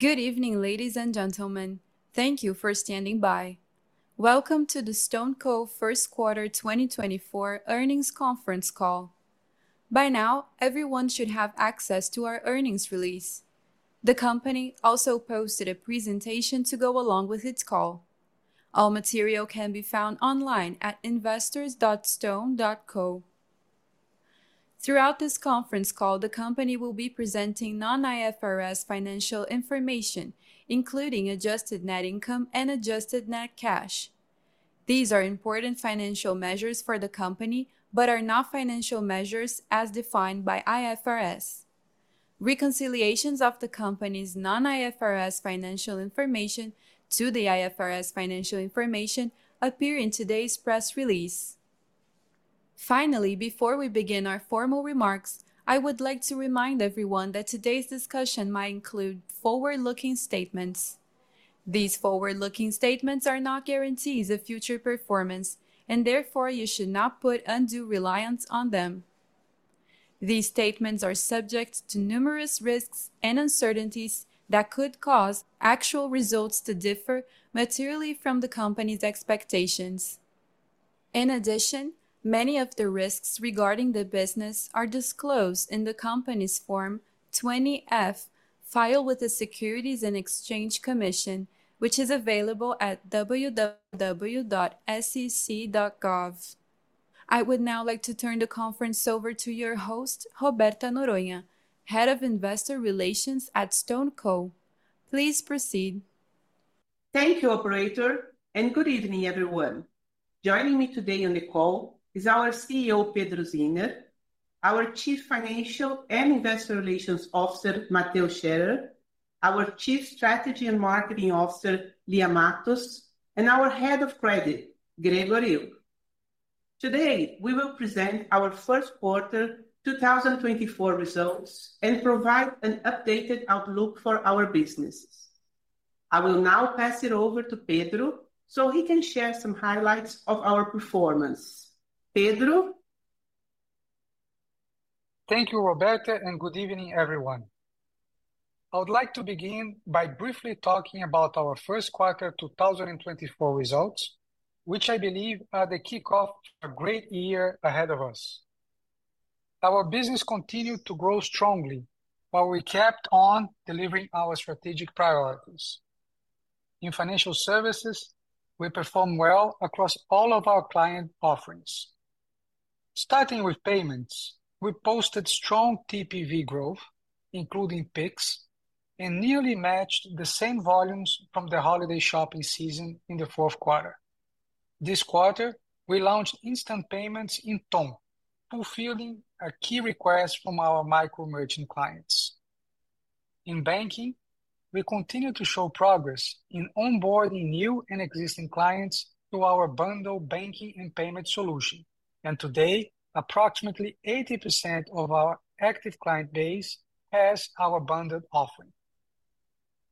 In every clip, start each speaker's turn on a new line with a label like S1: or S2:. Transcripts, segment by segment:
S1: Good evening, ladies and gentlemen. Thank you for standing by. Welcome to the StoneCo First Quarter 2024 Earnings Conference Call. By now, everyone should have access to our earnings release. The company also posted a presentation to go along with its call. All material can be found online at investors.stone.co. Throughout this conference call, the company will be presenting non-IFRS financial information, including adjusted net income and adjusted net cash. These are important financial measures for the company but are not financial measures as defined by IFRS. Reconciliations of the company's non-IFRS financial information to the IFRS financial information appear in today's press release. Finally, before we begin our formal remarks, I would like to remind everyone that today's discussion might include forward-looking statements. These forward-looking statements are not guarantees of future performance, and therefore you should not put undue reliance on them. These statements are subject to numerous risks and uncertainties that could cause actual results to differ materially from the company's expectations. In addition, many of the risks regarding the business are disclosed in the company's Form 20-F, filed with the Securities and Exchange Commission, which is available at www.sec.gov. I would now like to turn the conference over to your host, Roberta Noronha, Head of Investor Relations at StoneCo. Please proceed.
S2: Thank you, Operator, and good evening, everyone. Joining me today on the call is our CEO, Pedro Zinner; our Chief Financial and Investor Relations Officer, Mateus Scherer; our Chief Strategy and Marketing Officer, Lia Matos; and our Head of Credit, Gregor Ilg. Today, we will present our first quarter 2024 results and provide an updated outlook for our businesses. I will now pass it over to Pedro so he can share some highlights of our performance. Pedro?
S3: Thank you, Roberta, and good evening, everyone. I would like to begin by briefly talking about our first quarter 2024 results, which I believe are the kickoff for a great year ahead of us. Our business continued to grow strongly while we kept on delivering our strategic priorities. In financial services, we performed well across all of our client offerings. Starting with payments, we posted strong TPV growth, including Pix, and nearly matched the same volumes from the holiday shopping season in the fourth quarter. This quarter, we launched instant payments in Ton, fulfilling a key request from our micro merchant clients. In banking, we continue to show progress in onboarding new and existing clients to our bundled banking and payment solution, and today, approximately 80% of our active client base has our bundled offering.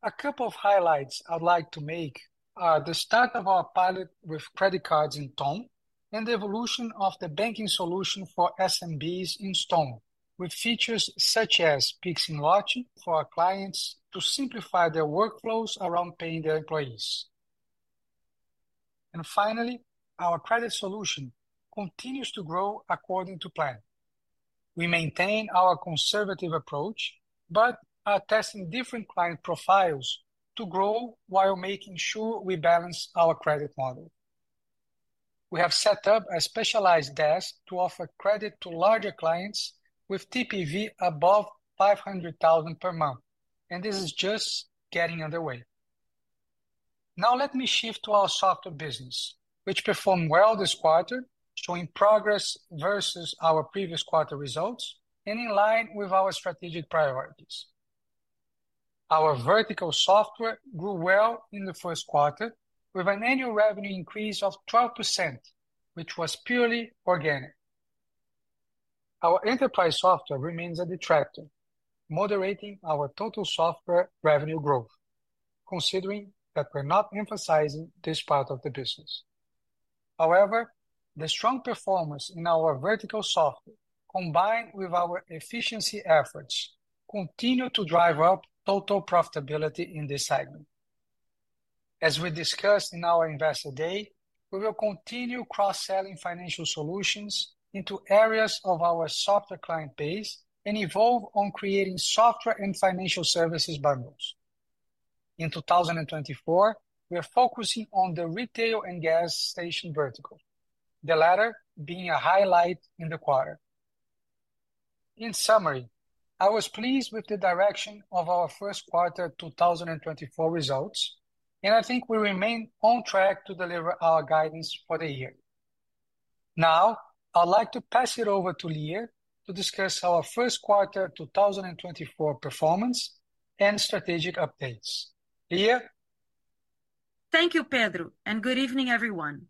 S3: A couple of highlights I'd like to make are the start of our pilot with credit cards in Ton and the evolution of the banking solution for SMBs in Stone, with features such as Pix em Lote for our clients to simplify their workflows around paying their employees. Finally, our credit solution continues to grow according to plan. We maintain our conservative approach but are testing different client profiles to grow while making sure we balance our credit model. We have set up a specialized desk to offer credit to larger clients with TPV above 500,000 per month, and this is just getting underway. Now let me shift to our software business, which performed well this quarter, showing progress versus our previous quarter results and in line with our strategic priorities. Our vertical software grew well in the first quarter, with an annual revenue increase of 12%, which was purely organic. Our enterprise software remains a detractor, moderating our total software revenue growth, considering that we're not emphasizing this part of the business. However, the strong performance in our vertical software, combined with our efficiency efforts, continues to drive up total profitability in this segment. As we discussed in our investor day, we will continue cross-selling financial solutions into areas of our software client base and evolve on creating software and financial services bundles. In 2024, we are focusing on the retail and gas station vertical, the latter being a highlight in the quarter. In summary, I was pleased with the direction of our first quarter 2024 results, and I think we remain on track to deliver our guidance for the year. Now, I'd like to pass it over to Lia to discuss our first quarter 2024 performance and strategic updates. Lia?
S4: Thank you, Pedro, and good evening, everyone.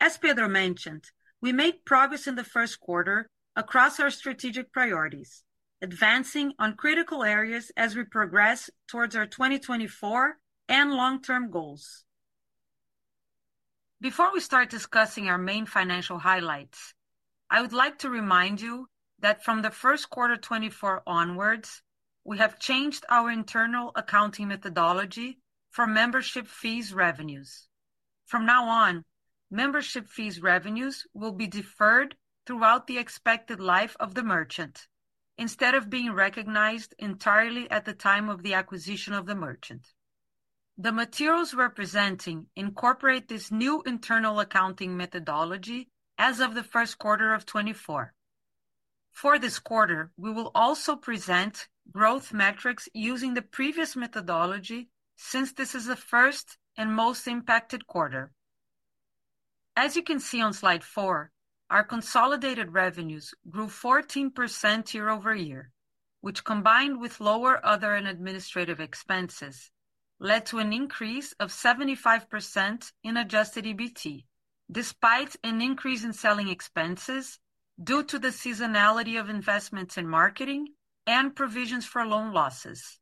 S4: As Pedro mentioned, we made progress in the first quarter across our strategic priorities, advancing on critical areas as we progress towards our 2024 and long-term goals. Before we start discussing our main financial highlights, I would like to remind you that from the first quarter 2024 onwards, we have changed our internal accounting methodology from membership fees revenues. From now on, membership fees revenues will be deferred throughout the expected life of the merchant, instead of being recognized entirely at the time of the acquisition of the merchant. The materials we're presenting incorporate this new internal accounting methodology as of the first quarter of 2024. For this quarter, we will also present growth metrics using the previous methodology since this is the first and most impacted quarter. As you can see on slide 4, our consolidated revenues grew 14% year-over-year, which, combined with lower other and administrative expenses, led to an increase of 75% in adjusted EBT, despite an increase in selling expenses due to the seasonality of investments in marketing and provisions for loan losses.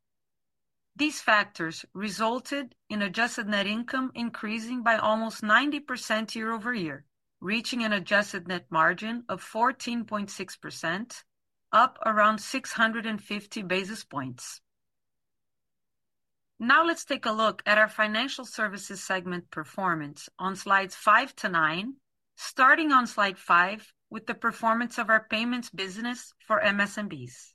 S4: These factors resulted in adjusted net income increasing by almost 90% year-over-year, reaching an adjusted net margin of 14.6%, up around 650 basis points. Now let's take a look at our financial services segment performance on slides 5 to 9, starting on slide 5 with the performance of our payments business for MSMBs.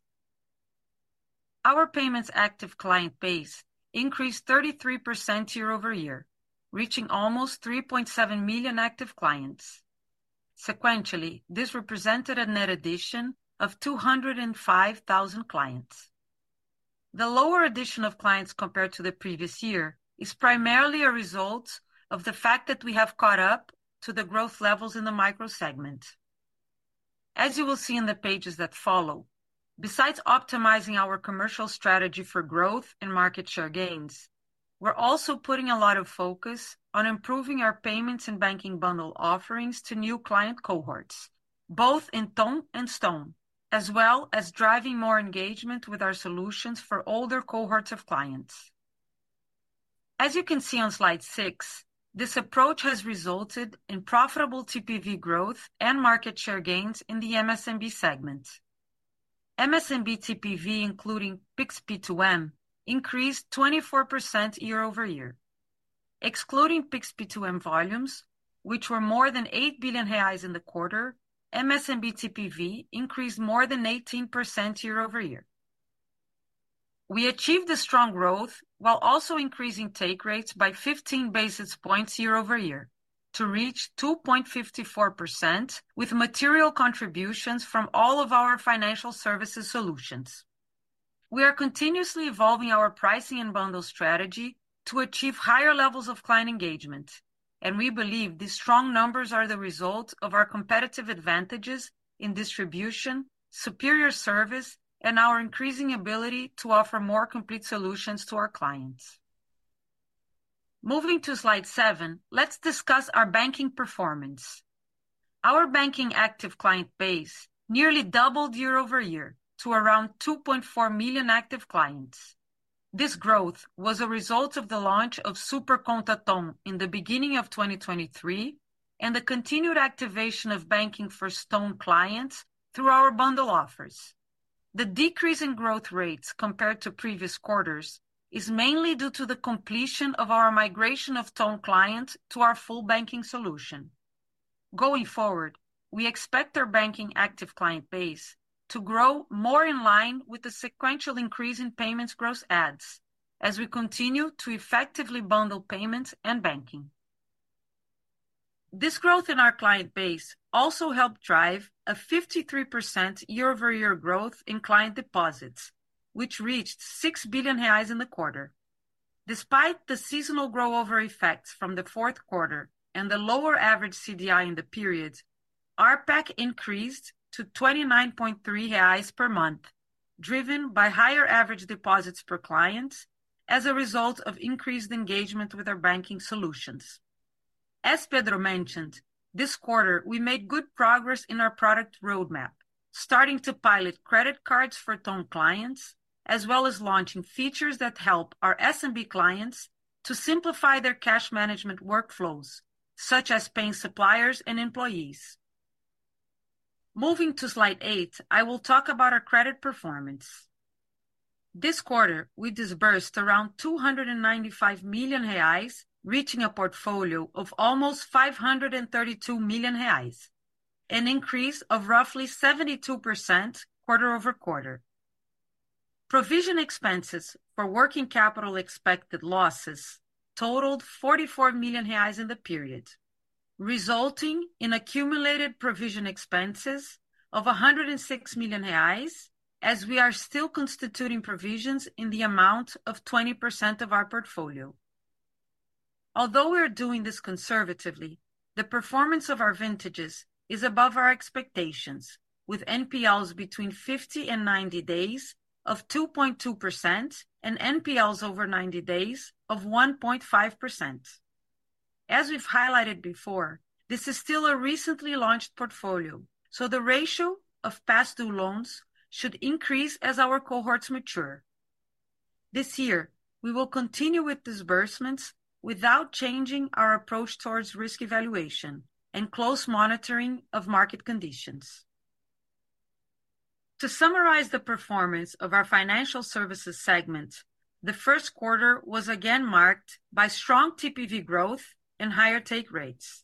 S4: Our payments active client base increased 33% year-over-year, reaching almost 3.7 million active clients. Sequentially, this represented a net addition of 205,000 clients. The lower addition of clients compared to the previous year is primarily a result of the fact that we have caught up to the growth levels in the micro segment. As you will see in the pages that follow, besides optimizing our commercial strategy for growth and market share gains, we're also putting a lot of focus on improving our payments and banking bundle offerings to new client cohorts, both in Ton and Stone, as well as driving more engagement with our solutions for older cohorts of clients. As you can see on slide 6, this approach has resulted in profitable TPV growth and market share gains in the MSMB segment. MSMB TPV, including Pix P2M, increased 24% year-over-year. Excluding Pix P2M volumes, which were more than 8 billion reais in the quarter, MSMB TPV increased more than 18% year-over-year. We achieved this strong growth while also increasing take rates by 15 basis points year-over-year, to reach 2.54% with material contributions from all of our financial services solutions. We are continuously evolving our pricing and bundle strategy to achieve higher levels of client engagement, and we believe these strong numbers are the result of our competitive advantages in distribution, superior service, and our increasing ability to offer more complete solutions to our clients. Moving to slide 7, let's discuss our banking performance. Our banking active client base nearly doubled year-over-year to around 2.4 million active clients. This growth was a result of the launch of Super Conta Ton in the beginning of 2023 and the continued activation of banking for Stone clients through our bundle offers. The decrease in growth rates compared to previous quarters is mainly due to the completion of our migration of Ton clients to our full banking solution. Going forward, we expect our banking active client base to grow more in line with the sequential increase in payments growth as, as we continue to effectively bundle payments and banking. This growth in our client base also helped drive a 53% year-over-year growth in client deposits, which reached 6 billion reais in the quarter. Despite the seasonal crossover effects from the fourth quarter and the lower average CDI in the period, ARPAC increased to 29.3 reais per month, driven by higher average deposits per client as a result of increased engagement with our banking solutions. As Pedro mentioned, this quarter we made good progress in our product roadmap, starting to pilot credit cards for TON clients, as well as launching features that help our SMB clients to simplify their cash management workflows, such as paying suppliers and employees. Moving to slide 8, I will talk about our credit performance. This quarter, we disbursed around 295 million reais, reaching a portfolio of almost 532 million reais, an increase of roughly 72% quarter-over-quarter. Provision expenses for working capital expected losses totaled 44 million reais in the period, resulting in accumulated provision expenses of 106 million reais as we are still constituting provisions in the amount of 20% of our portfolio. Although we are doing this conservatively, the performance of our vintages is above our expectations, with NPLs between 50 and 90 days of 2.2% and NPLs over 90 days of 1.5%. As we've highlighted before, this is still a recently launched portfolio, so the ratio of past-due loans should increase as our cohorts mature. This year, we will continue with disbursements without changing our approach towards risk evaluation and close monitoring of market conditions. To summarize the performance of our financial services segment, the first quarter was again marked by strong TPV growth and higher take rates,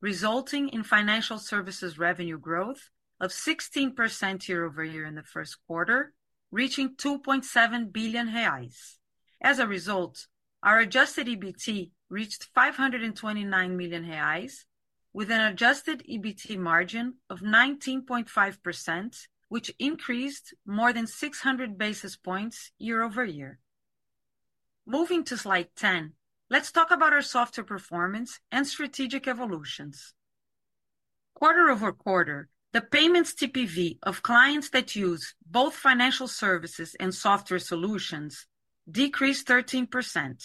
S4: resulting in financial services revenue growth of 16% year-over-year in the first quarter, reaching 2.7 billion reais. As a result, our adjusted EBT reached 529 million reais, with an adjusted EBT margin of 19.5%, which increased more than 600 basis points year-over-year. Moving to slide 10, let's talk about our software performance and strategic evolutions. Quarter-over-quarter, the payments TPV of clients that use both financial services and software solutions decreased 13%,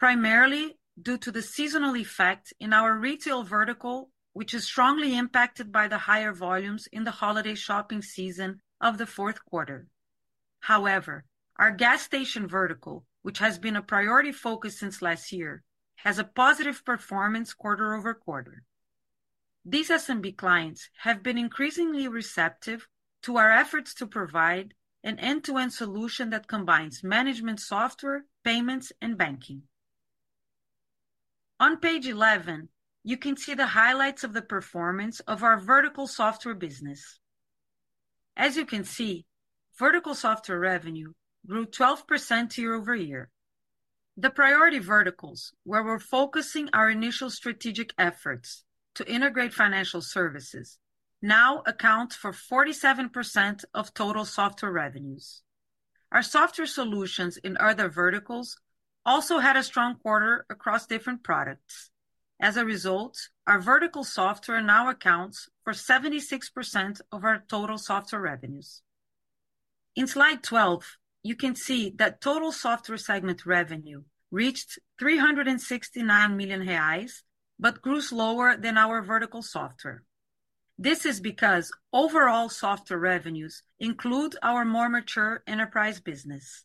S4: primarily due to the seasonal effect in our retail vertical, which is strongly impacted by the higher volumes in the holiday shopping season of the fourth quarter. However, our gas station vertical, which has been a priority focus since last year, has a positive performance quarter-over-quarter. These SMB clients have been increasingly receptive to our efforts to provide an end-to-end solution that combines management software, payments, and banking. On page 11, you can see the highlights of the performance of our vertical software business. As you can see, vertical software revenue grew 12% year-over-year. The priority verticals, where we're focusing our initial strategic efforts to integrate financial services, now account for 47% of total software revenues. Our software solutions in other verticals also had a strong quarter across different products. As a result, our vertical software now accounts for 76% of our total software revenues. In slide 12, you can see that total software segment revenue reached 369 million reais but grew slower than our vertical software. This is because overall software revenues include our more mature enterprise business.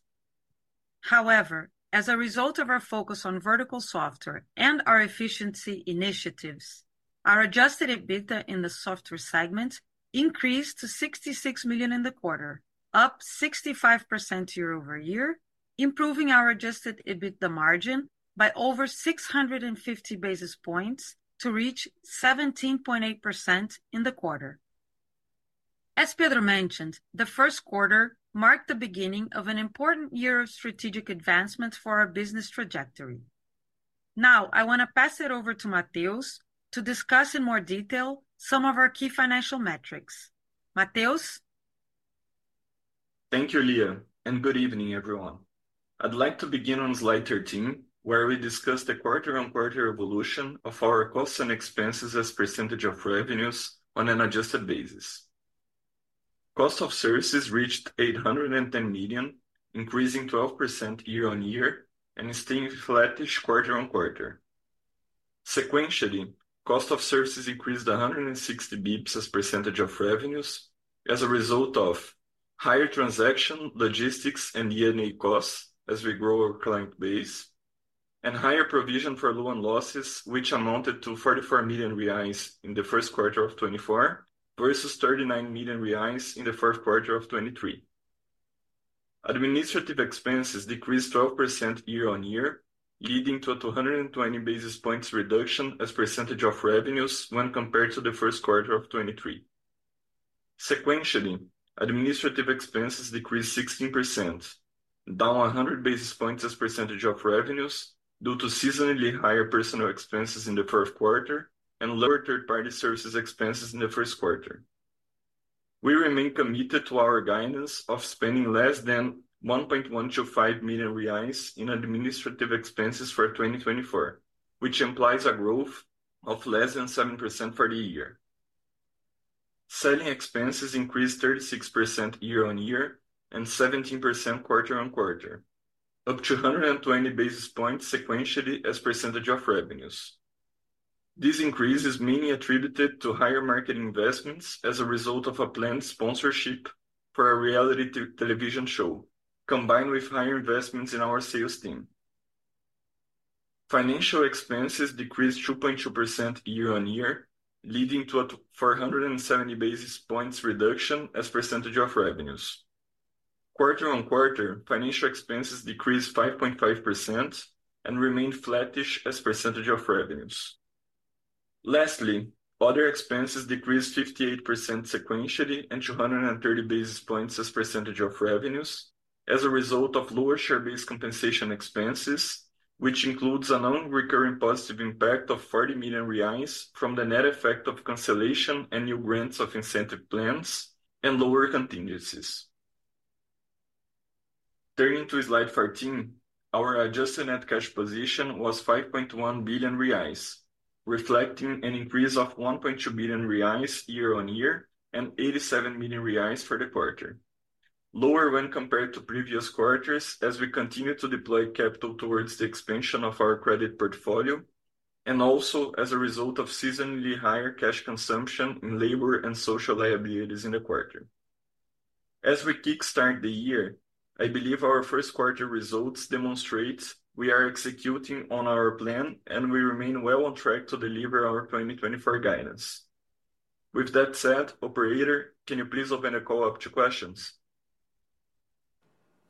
S4: However, as a result of our focus on vertical software and our efficiency initiatives, our adjusted EBITDA in the software segment increased to 66 million in the quarter, up 65% year-over-year, improving our adjusted EBITDA margin by over 650 basis points to reach 17.8% in the quarter. As Pedro mentioned, the first quarter marked the beginning of an important year of strategic advancements for our business trajectory. Now, I want to pass it over to Mateus to discuss in more detail some of our key financial metrics. Mateus?
S5: Thank you, Lia, and good evening, everyone. I'd like to begin on slide 13, where we discussed the quarter-on-quarter evolution of our costs and expenses as percentage of revenues on an adjusted basis. Cost of services reached 810 million, increasing 12% year-on-year and staying flatish quarter-on-quarter. Sequentially, cost of services increased 160 basis points as percentage of revenues as a result of: higher transaction, logistics, and D&A costs as we grow our client base. And higher provision for loan losses, which amounted to 44 million reais in the first quarter of 2024 versus 39 million reais in the fourth quarter of 2023. Administrative expenses decreased 12% year-on-year, leading to a 220 basis points reduction as percentage of revenues when compared to the first quarter of 2023. Sequentially, administrative expenses decreased 16%, down 100 basis points as percentage of revenues due to seasonally higher personal expenses in the fourth quarter and lower third-party services expenses in the first quarter. We remain committed to our guidance of spending less than 1.125 million reais in administrative expenses for 2024, which implies a growth of less than 7% for the year. Selling expenses increased 36% year-on-year and 17% quarter-on-quarter, up to 120 basis points sequentially as percentage of revenues. These increases are mainly attributed to higher market investments as a result of a planned sponsorship for a reality television show, combined with higher investments in our sales team. Financial expenses decreased 2.2% year-on-year, leading to a 470 basis points reduction as percentage of revenues. Quarter-on-quarter, financial expenses decreased 5.5% and remained flatish as percentage of revenues. Lastly, other expenses decreased 58% sequentially and 230 basis points as percentage of revenues as a result of lower share-based compensation expenses, which includes a non-recurring positive impact of 40 million reais from the net effect of cancellation and new grants of incentive plans, and lower contingencies. Turning to slide 14, our adjusted net cash position was 5.1 billion reais, reflecting an increase of 1.2 billion reais year on year and 87 million reais for the quarter. Lower when compared to previous quarters as we continue to deploy capital towards the expansion of our credit portfolio, and also as a result of seasonally higher cash consumption in labor and social liabilities in the quarter. As we kick-start the year, I believe our first quarter results demonstrate we are executing on our plan and we remain well on track to deliver our 2024 guidance. With that said, Operator, can you please open the call up to questions?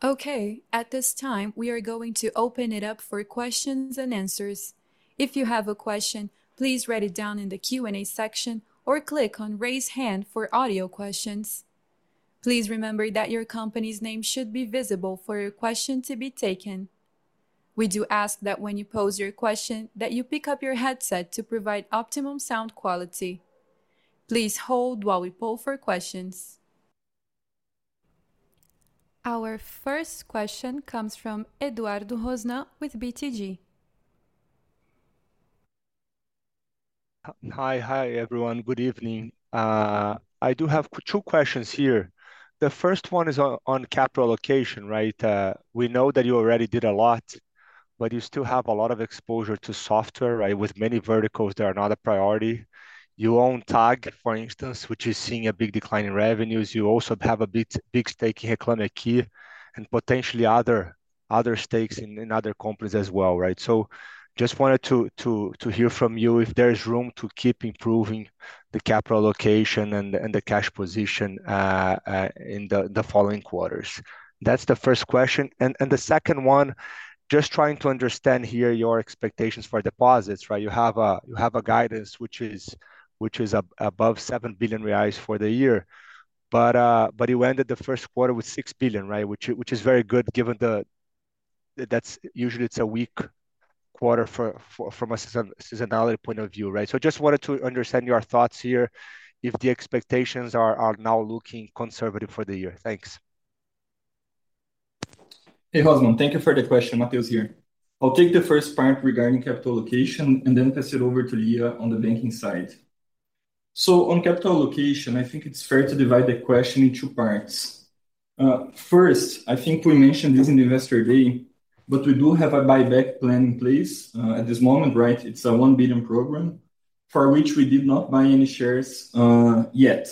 S1: Okay, at this time we are going to open it up for questions and answers. If you have a question, please write it down in the Q&A section or click on "Raise Hand" for audio questions. Please remember that your company's name should be visible for your question to be taken. We do ask that when you pose your question that you pick up your headset to provide optimum sound quality. Please hold while we pull for questions. Our first question comes from Eduardo Rosman with BTG.
S6: Hi, hi everyone, good evening. I do have two questions here. The first one is on capital allocation, right? We know that you already did a lot, but you still have a lot of exposure to software, right, with many verticals that are not a priority. You own TAG, for instance, which is seeing a big decline in revenues. You also have a big, big stake in Reclame Aqui, and potentially other, other stakes in other companies as well, right? So just wanted to, to, to hear from you if there's room to keep improving the capital allocation and the cash position, in the following quarters. That's the first question. And the second one, just trying to understand here your expectations for deposits, right? You have a guidance which is above 7 billion reais for the year. But you ended the first quarter with 6 billion, right, which is very good given the... that's usually it's a weak quarter from a seasonality point of view, right? So just wanted to understand your thoughts here if the expectations are now looking conservative for the year. Thanks.
S5: Hey Rosman, thank you for the question, Mateus here. I'll take the first part regarding capital allocation and then pass it over to Lia on the banking side. So on capital allocation, I think it's fair to divide the question into two parts. First, I think we mentioned this in Investor Day, but we do have a buyback plan in place at this moment, right? It's a 1 billion program, for which we did not buy any shares yet.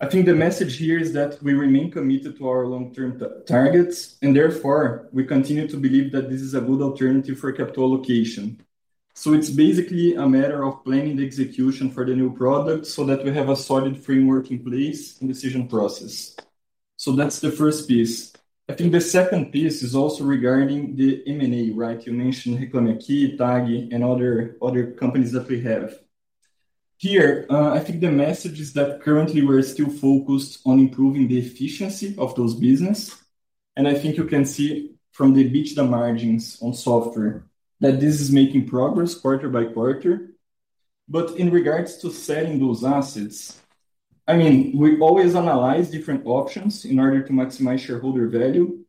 S5: I think the message here is that we remain committed to our long-term targets, and therefore, we continue to believe that this is a good alternative for capital allocation. So it's basically a matter of planning the execution for the new product so that we have a solid framework in place and decision process. So that's the first piece. I think the second piece is also regarding the M&A, right? You mentioned Reclame Aqui, TAG, and other companies that we have. Here, I think the message is that currently we're still focused on improving the efficiency of those businesses. I think you can see from the EBITDA margins on software that this is making progress quarter by quarter. But in regards to selling those assets, I mean, we always analyze different options in order to maximize shareholder value.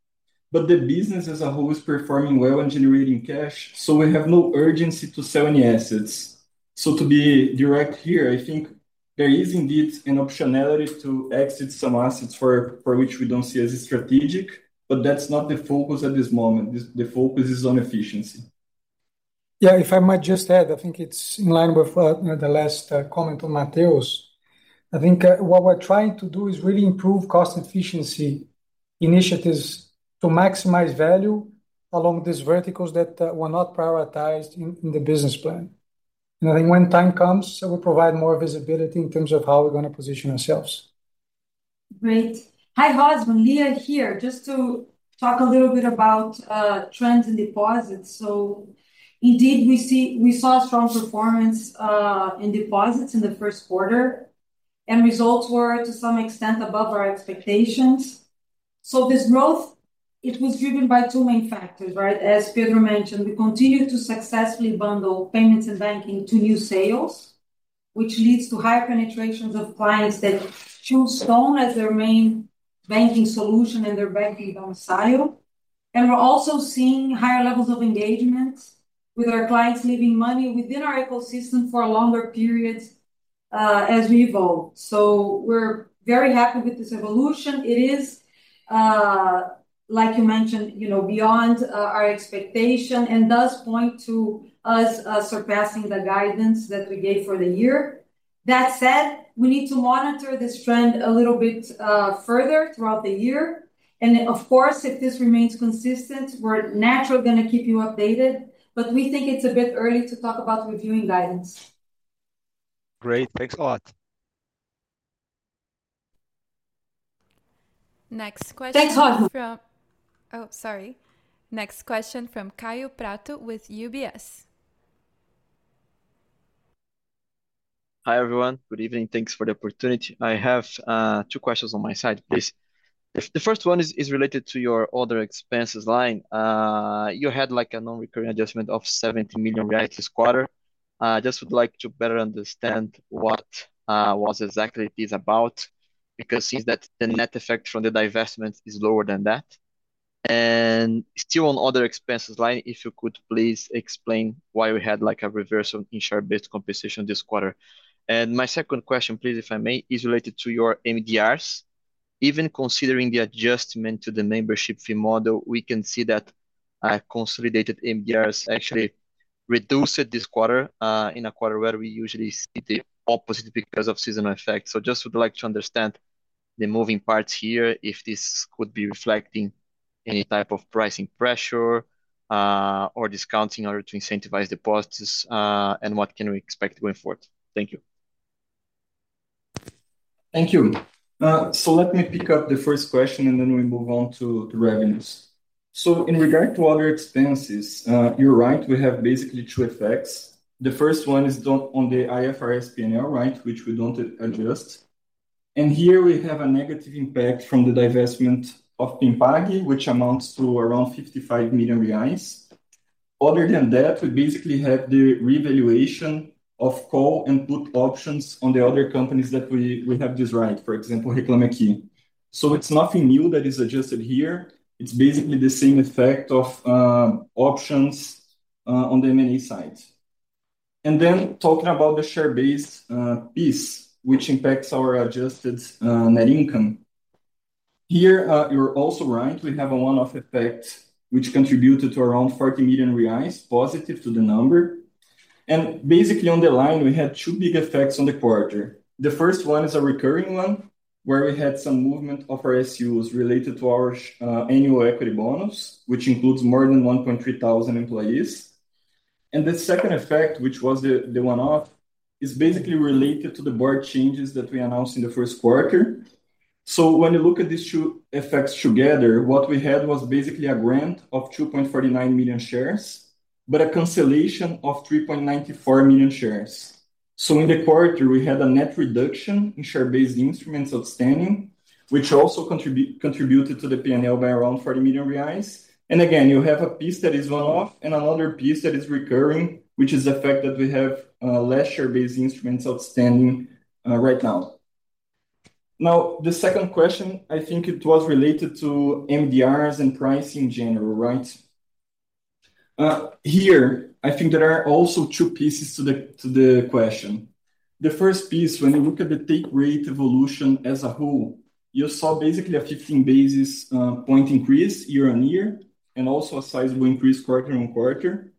S5: But the business as a whole is performing well and generating cash, so we have no urgency to sell any assets. So to be direct here, I think there is indeed an optionality to exit some assets for which we don't see as strategic, but that's not the focus at this moment. The focus is on efficiency.
S3: Yeah, if I might just add, I think it's in line with the last comment on Mateus. I think what we're trying to do is really improve cost efficiency initiatives to maximize value along these verticals that were not prioritized in the business plan. And I think when time comes, we'll provide more visibility in terms of how we're going to position ourselves.
S4: Great. Hi Rosman, Lia here, just to talk a little bit about trends in deposits. So indeed, we saw a strong performance in deposits in the first quarter. Results were to some extent above our expectations. So this growth, it was driven by two main factors, right? As Pedro mentioned, we continue to successfully bundle payments and banking to new sales, which leads to higher penetrations of clients that choose Stone as their main banking solution and their banking domicile. And we're also seeing higher levels of engagement with our clients leaving money within our ecosystem for longer periods as we evolve. So we're very happy with this evolution. It is, like you mentioned, you know, beyond our expectation and does point to us surpassing the guidance that we gave for the year. That said, we need to monitor this trend a little bit further throughout the year. Of course, if this remains consistent, we're naturally going to keep you updated, but we think it's a bit early to talk about reviewing guidance.
S6: Great, thanks a lot.
S1: Next question.
S4: Thanks, Rosman.
S1: Oh, sorry. Next question from Kaio Prato with UBS.
S7: Hi everyone, good evening, thanks for the opportunity. I have two questions on my side, please. The first one is related to your other expenses line. You had like a non-recurring adjustment of 70 million this quarter. I just would like to better understand what was exactly this about because since that the net effect from the divestment is lower than that. Still on other expenses line, if you could please explain why we had like a reversal in share-based compensation this quarter. My second question, please, if I may, is related to your MDRs. Even considering the adjustment to the membership fee model, we can see that consolidated MDRs actually reduced this quarter in a quarter where we usually see the opposite because of seasonal effects. So, just would like to understand the moving parts here if this could be reflecting any type of pricing pressure or discounting in order to incentivize deposits and what can we expect going forward? Thank you.
S5: Thank you. So let me pick up the first question and then we move on to revenues. So in regard to other expenses, you're right, we have basically two effects. The first one is on the IFRS P&L, right, which we don't adjust. And here we have a negative impact from the divestment of PinPag, which amounts to around 55 million reais. Other than that, we basically have the revaluation of call and put options on the other companies that we have this right, for example, Reclame Aqui. So it's nothing new that is adjusted here. It's basically the same effect of options on the M&A side. And then talking about the share-based piece, which impacts our adjusted net income. Here, you're also right, we have a one-off effect which contributed to around 40 million reais, positive to the number. Basically on the line, we had two big effects on the quarter. The first one is a recurring one where we had some movement of RSUs related to our annual equity bonus, which includes more than 1,300 employees. The second effect, which was the one-off, is basically related to the board changes that we announced in the first quarter. When you look at these two effects together, what we had was basically a grant of 2.49 million shares, but a cancellation of 3.94 million shares. In the quarter, we had a net reduction in share-based instruments outstanding, which also contributed to the P&L by around 40 million reais. Again, you have a piece that is one-off and another piece that is recurring, which is the effect that we have less share-based instruments outstanding right now. Now, the second question, I think it was related to MDRs and pricing in general, right? Here, I think there are also two pieces to the question. The first piece, when you look at the take rate evolution as a whole, you saw basically a 15 basis point increase year-over-year, and also a sizable increase quarter-over-quarter.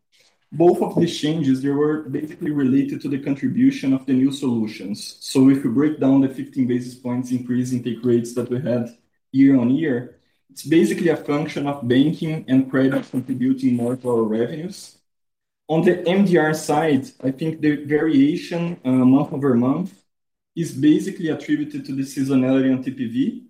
S5: Both of these changes, they were basically related to the contribution of the new solutions. So if you break down the 15 basis points increase in take rates that we had year-over-year, it's basically a function of banking and credit contributing more to our revenues. On the MDR side, I think the variation month-over-month is basically attributed to the seasonality on TPV.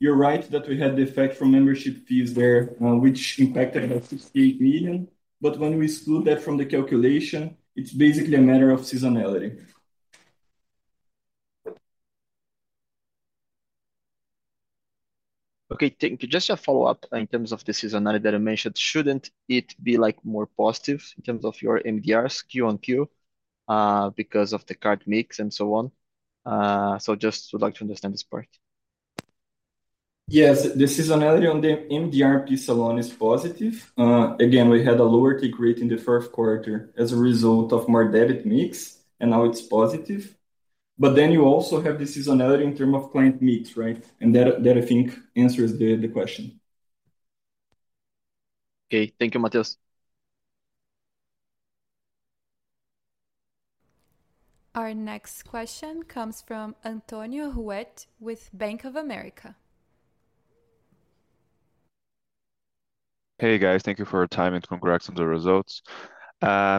S5: You're right that we had the effect from membership fees there, which impacted about 68 million, but when we exclude that from the calculation, it's basically a matter of seasonality.
S7: Okay, thank you. Just a follow-up in terms of the seasonality that I mentioned, shouldn't it be more positive in terms of your MDRs quarter-on-quarter because of the card mix and so on? So just would like to understand this part.
S5: Yes, the seasonality on the MDR piece alone is positive. Again, we had a lower take rate in the first quarter as a result of more debit mix, and now it's positive. But then you also have the seasonality in terms of client mix, right? And that I think answers the question.
S7: Okay, thank you, Mateus.
S1: Our next question comes from Antonio Ruette with Bank of America.
S8: Hey guys, thank you for your time and congrats on the results. I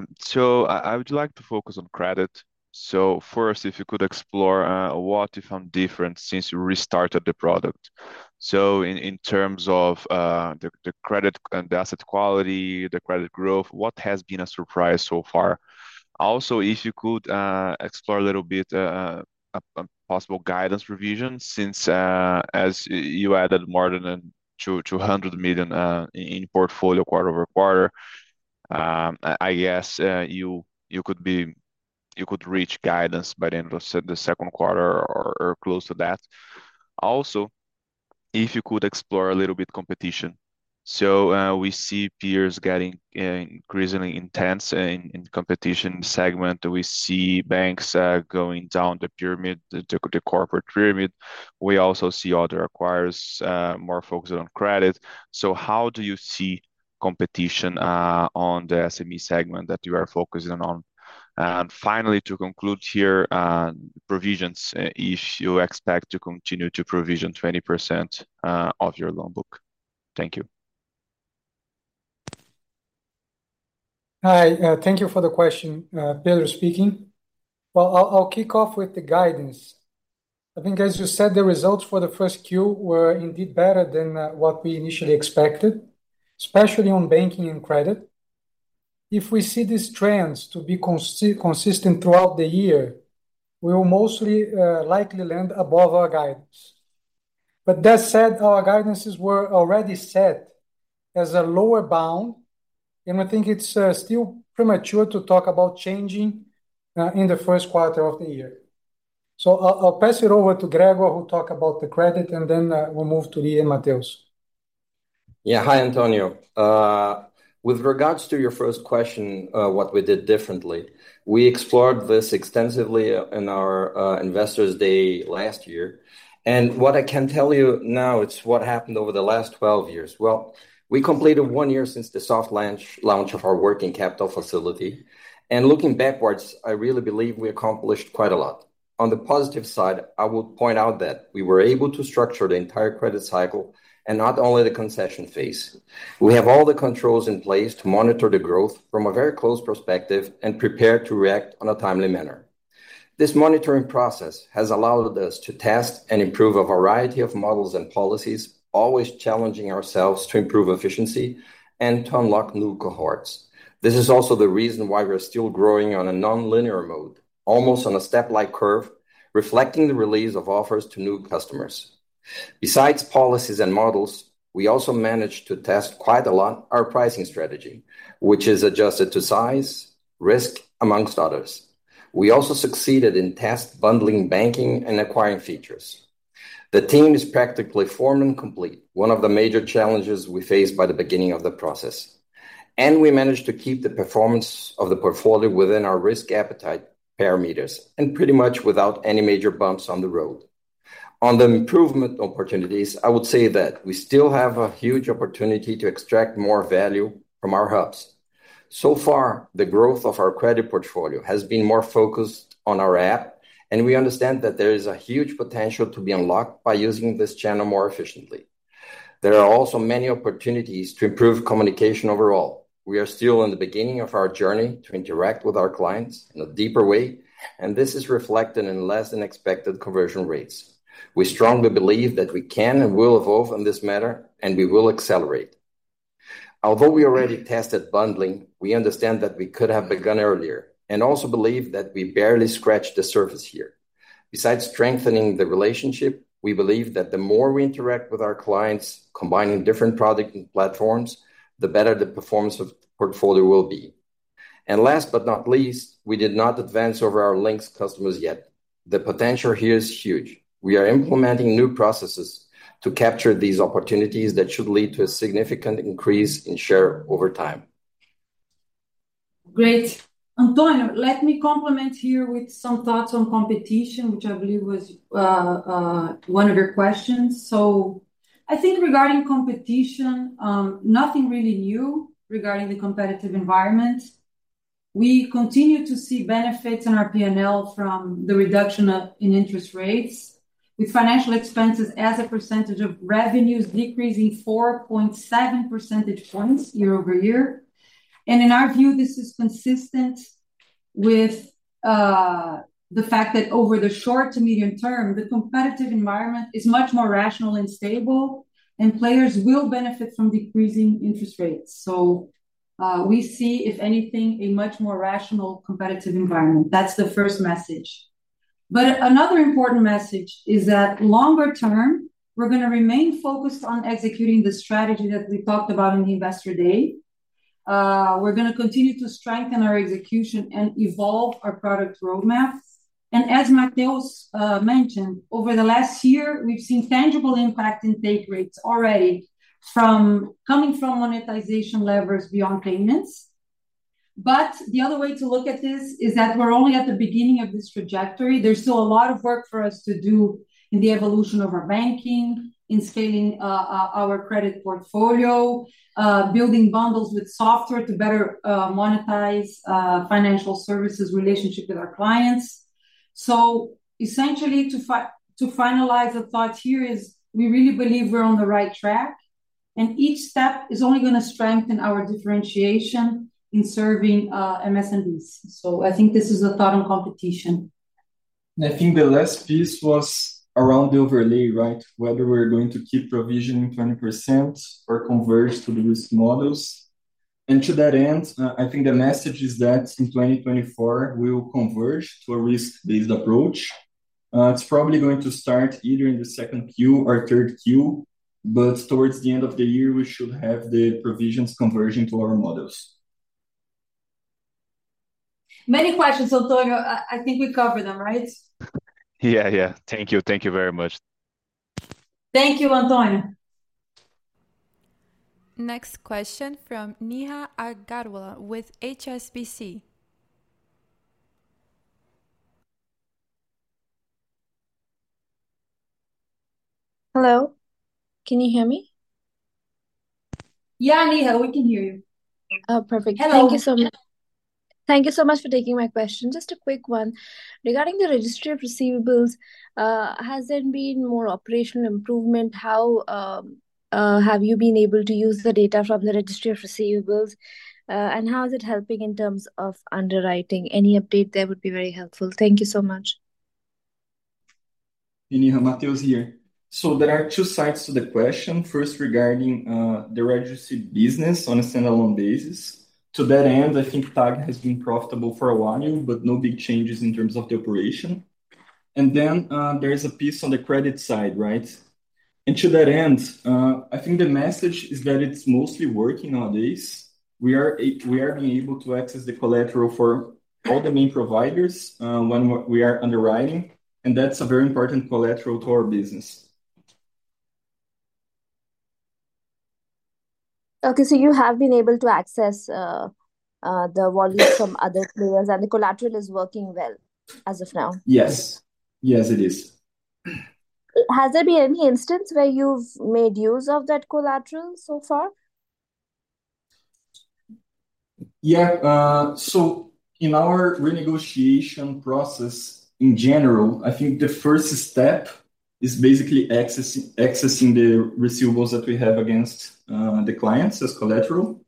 S8: would like to focus on credit. First, if you could explore what you found different since you restarted the product. In terms of the credit and the asset quality, the credit growth, what has been a surprise so far? Also, if you could explore a little bit a possible guidance revision since as you added more than 200 million in portfolio quarter-over-quarter, I guess you could reach guidance by the end of the second quarter or close to that. Also, if you could explore a little bit competition. We see peers getting increasingly intense in competition segment. We see banks going down the pyramid, the corporate pyramid. We also see other acquirers more focused on credit. How do you see competition on the SME segment that you are focusing on? Finally, to conclude here, provisions, if you expect to continue to provision 20% of your loan book? Thank you.
S3: Hi, thank you for the question. Pedro speaking. Well, I'll kick off with the guidance. I think as you said, the results for the first quarter were indeed better than what we initially expected, especially on banking and credit. If we see these trends to be consistent throughout the year, we will most likely land above our guidance. But that said, our guidances were already set as a lower bound, and I think it's still premature to talk about changing in the first quarter of the year. So I'll pass it over to Gregor who talked about the credit, and then we'll move to Lia and Mateus.
S9: Yeah, hi Antonio. With regards to your first question, what we did differently, we explored this extensively in our Investor's Day last year. And what I can tell you now is what happened over the last 12 years. Well, we completed one year since the soft launch of our working capital facility. And looking backwards, I really believe we accomplished quite a lot. On the positive side, I would point out that we were able to structure the entire credit cycle and not only the concession phase. We have all the controls in place to monitor the growth from a very close perspective and prepare to react in a timely manner. This monitoring process has allowed us to test and improve a variety of models and policies, always challenging ourselves to improve efficiency and to unlock new cohorts. This is also the reason why we're still growing on a non-linear mode, almost on a step-like curve, reflecting the release of offers to new customers. Besides policies and models, we also managed to test quite a lot our pricing strategy, which is adjusted to size, risk, among others. We also succeeded in test bundling banking and acquiring features. The team is practically formed and complete, one of the major challenges we faced by the beginning of the process. And we managed to keep the performance of the portfolio within our risk appetite parameters and pretty much without any major bumps on the road. On the improvement opportunities, I would say that we still have a huge opportunity to extract more value from our hubs. So far, the growth of our credit portfolio has been more focused on our app, and we understand that there is a huge potential to be unlocked by using this channel more efficiently. There are also many opportunities to improve communication overall. We are still in the beginning of our journey to interact with our clients in a deeper way, and this is reflected in less than expected conversion rates. We strongly believe that we can and will evolve on this matter, and we will accelerate. Although we already tested bundling, we understand that we could have begun earlier and also believe that we barely scratched the surface here. Besides strengthening the relationship, we believe that the more we interact with our clients, combining different products and platforms, the better the performance of the portfolio will be. Last but not least, we did not advance over our Linx customers yet. The potential here is huge. We are implementing new processes to capture these opportunities that should lead to a significant increase in share over time.
S4: Great. Antonio, let me complement here with some thoughts on competition, which I believe was one of your questions. So I think regarding competition, nothing really new regarding the competitive environment. We continue to see benefits in our P&L from the reduction in interest rates, with financial expenses as a percentage of revenues decreasing 4.7 percentage points year-over-year. And in our view, this is consistent with the fact that over the short to medium term, the competitive environment is much more rational and stable, and players will benefit from decreasing interest rates. So we see, if anything, a much more rational competitive environment. That's the first message. But another important message is that longer term, we're going to remain focused on executing the strategy that we talked about in the Investor Day. We're going to continue to strengthen our execution and evolve our product roadmap. As Mateus mentioned, over the last year, we've seen tangible impact in take rates already coming from monetization levers beyond payments. The other way to look at this is that we're only at the beginning of this trajectory. There's still a lot of work for us to do in the evolution of our banking, in scaling our credit portfolio, building bundles with software to better monetize financial services relationship with our clients. Essentially, to finalize the thoughts here is we really believe we're on the right track, and each step is only going to strengthen our differentiation in serving MSMBs. I think this is a thought on competition.
S5: And I think the last piece was around the overlay, right? Whether we're going to keep provisioning 20% or converge to the risk models. And to that end, I think the message is that in 2024, we'll converge to a risk-based approach. It's probably going to start either in the second quarter or third quarter, but towards the end of the year, we should have the provisions converging to our models.
S4: Many questions, Antonio. I think we covered them, right?
S8: Yeah, yeah. Thank you. Thank you very much.
S4: Thank you, Antonio.
S1: Next question from Neha Agarwala with HSBC.
S10: Hello. Can you hear me?
S4: Yeah, Neha, we can hear you.
S10: Oh, perfect. Thank you so much. Thank you so much for taking my question. Just a quick one. Regarding the Registry of Receivables, has there been more operational improvement? How have you been able to use the data from the Registry of Receivables, and how is it helping in terms of underwriting? Any update there would be very helpful. Thank you so much.
S5: Neha, Mateus here. So there are two sides to the question. First, regarding the registry business on a standalone basis. To that end, I think TAG has been profitable for a while, but no big changes in terms of the operation. And then there is a piece on the credit side, right? And to that end, I think the message is that it's mostly working nowadays. We are being able to access the collateral for all the main providers when we are underwriting, and that's a very important collateral to our business.
S10: Okay, so you have been able to access the volume from other players and the collateral is working well as of now?
S5: Yes. Yes, it is.
S10: Has there been any instance where you've made use of that collateral so far?
S5: Yeah. So in our renegotiation process in general, I think the first step is basically accessing the receivables that we have against the clients as collateral.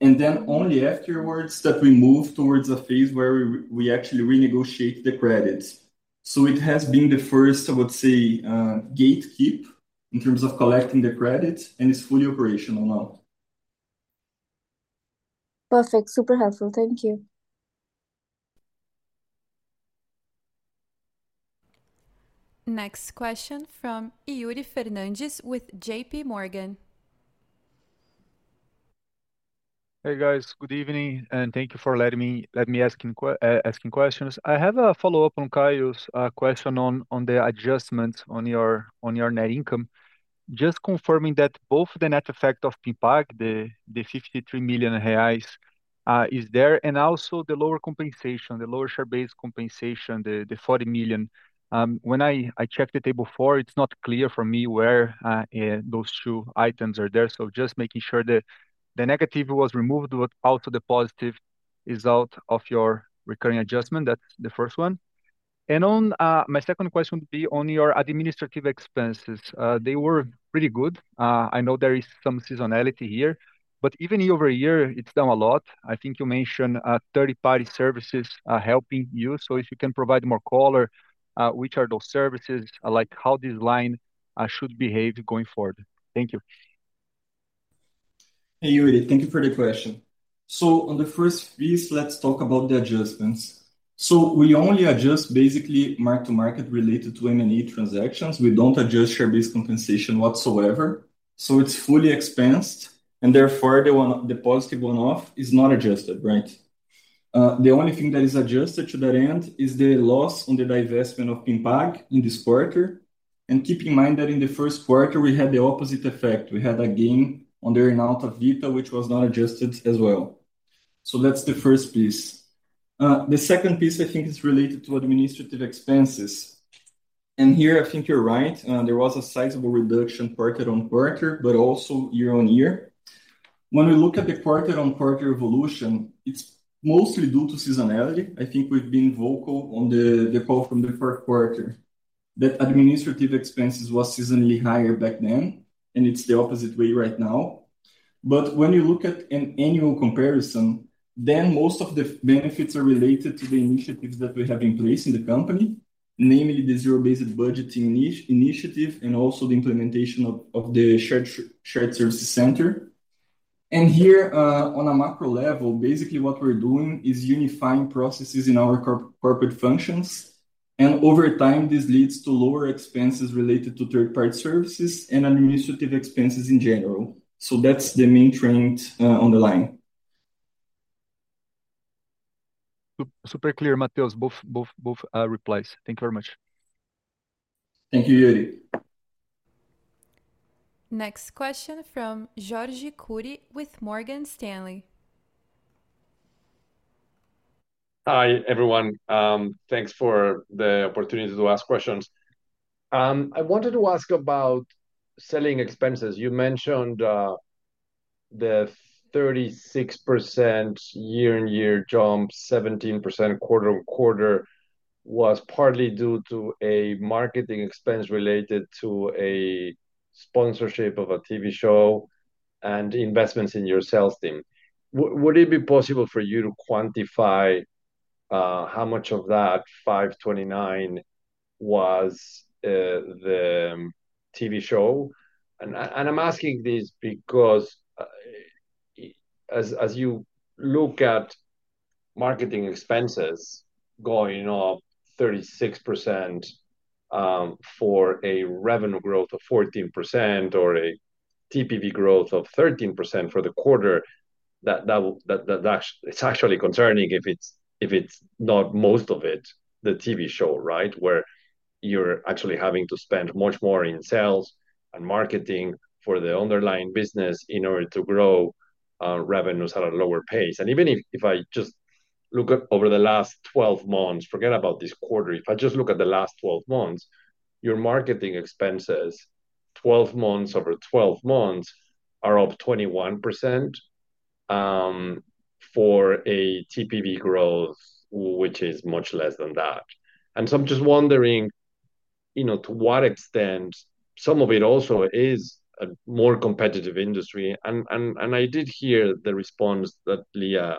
S5: And then only afterwards that we move towards a phase where we actually renegotiate the credits. So it has been the first, I would say, gatekeeper in terms of collecting the credits and is fully operational now.
S10: Perfect. Super helpful. Thank you.
S1: Next question from Yuri Fernandes with JP Morgan.
S11: Hey guys, good evening, and thank you for letting me ask questions. I have a follow-up on Kaio's question on the adjustments on your net income. Just confirming that both the net effect of PinPag, the 53 million reais, is there and also the lower compensation, the lower share-based compensation, the 40 million. When I checked the table before, it's not clear for me where those two items are there. So just making sure that the negative was removed, but also the positive is out of your recurring adjustment. That's the first one. And my second question would be on your administrative expenses. They were pretty good. I know there is some seasonality here, but even year-over-year, it's down a lot. I think you mentioned third-party services helping you. So if you can provide more color, which are those services, like how this line should behave going forward? Thank you.
S5: Hey Yuri, thank you for the question. So on the first piece, let's talk about the adjustments. So we only adjust basically mark-to-market related to M&A transactions. We don't adjust share-based compensation whatsoever. So it's fully expensed, and therefore the positive one-off is not adjusted, right? The only thing that is adjusted to that end is the loss on the divestment of PinPag in this quarter. And keep in mind that in the first quarter, we had the opposite effect. We had a gain on the earnout of Vitta, which was not adjusted as well. So that's the first piece. The second piece, I think, is related to administrative expenses. And here I think you're right. There was a sizable reduction quarter-on-quarter, but also year-on-year. When we look at the quarter-on-quarter evolution, it's mostly due to seasonality. I think we've been vocal on the call from the fourth quarter that administrative expenses were seasonally higher back then, and it's the opposite way right now. But when you look at an annual comparison, then most of the benefits are related to the initiatives that we have in place in the company, namely the zero-based budgeting initiative and also the implementation of the shared service center. And here on a macro level, basically what we're doing is unifying processes in our corporate functions. And over time, this leads to lower expenses related to third-party services and administrative expenses in general. So that's the main trend on the line.
S11: Super clear, Mateus. Both replies. Thank you very much.
S5: Thank you, Yuri.
S1: Next question from Jorge Kuri with Morgan Stanley.
S12: Hi everyone. Thanks for the opportunity to ask questions. I wanted to ask about selling expenses. You mentioned the 36% year-on-year jump, 17% quarter-on-quarter, was partly due to a marketing expense related to a sponsorship of a TV show and investments in your sales team. Would it be possible for you to quantify how much of that 529 was the TV show? And I'm asking this because as you look at marketing expenses going up 36% for a revenue growth of 14% or a TPV growth of 13% for the quarter, it's actually concerning if it's not most of it, the TV show, right? Where you're actually having to spend much more in sales and marketing for the underlying business in order to grow revenues at a lower pace. And even if I just look over the last 12 months, forget about this quarter. If I just look at the last 12 months, your marketing expenses, 12 months over 12 months, are up 21% for a TPV growth, which is much less than that. And so I'm just wondering to what extent some of it also is a more competitive industry. And I did hear the response that Lia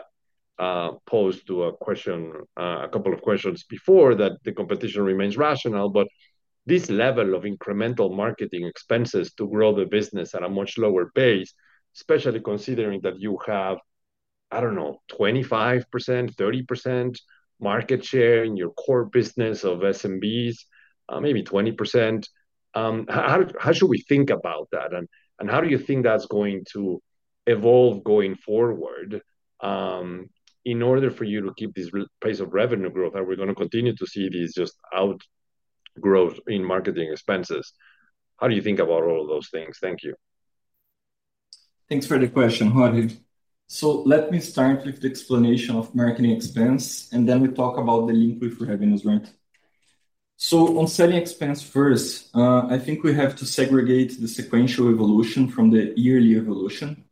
S12: posed to a couple of questions before that the competition remains rational, but this level of incremental marketing expenses to grow the business at a much lower pace, especially considering that you have, I don't know, 25%-30% market share in your core business of SMBs, maybe 20%. How should we think about that? And how do you think that's going to evolve going forward in order for you to keep this pace of revenue growth? Are we going to continue to see this just outgrowth in marketing expenses? How do you think about all of those things? Thank you.
S5: Thanks for the question, Jorge. So let me start with the explanation of marketing expense, and then we talk about the link with revenues, right? So on selling expense first, I think we have to segregate the sequential evolution from the yearly evolution.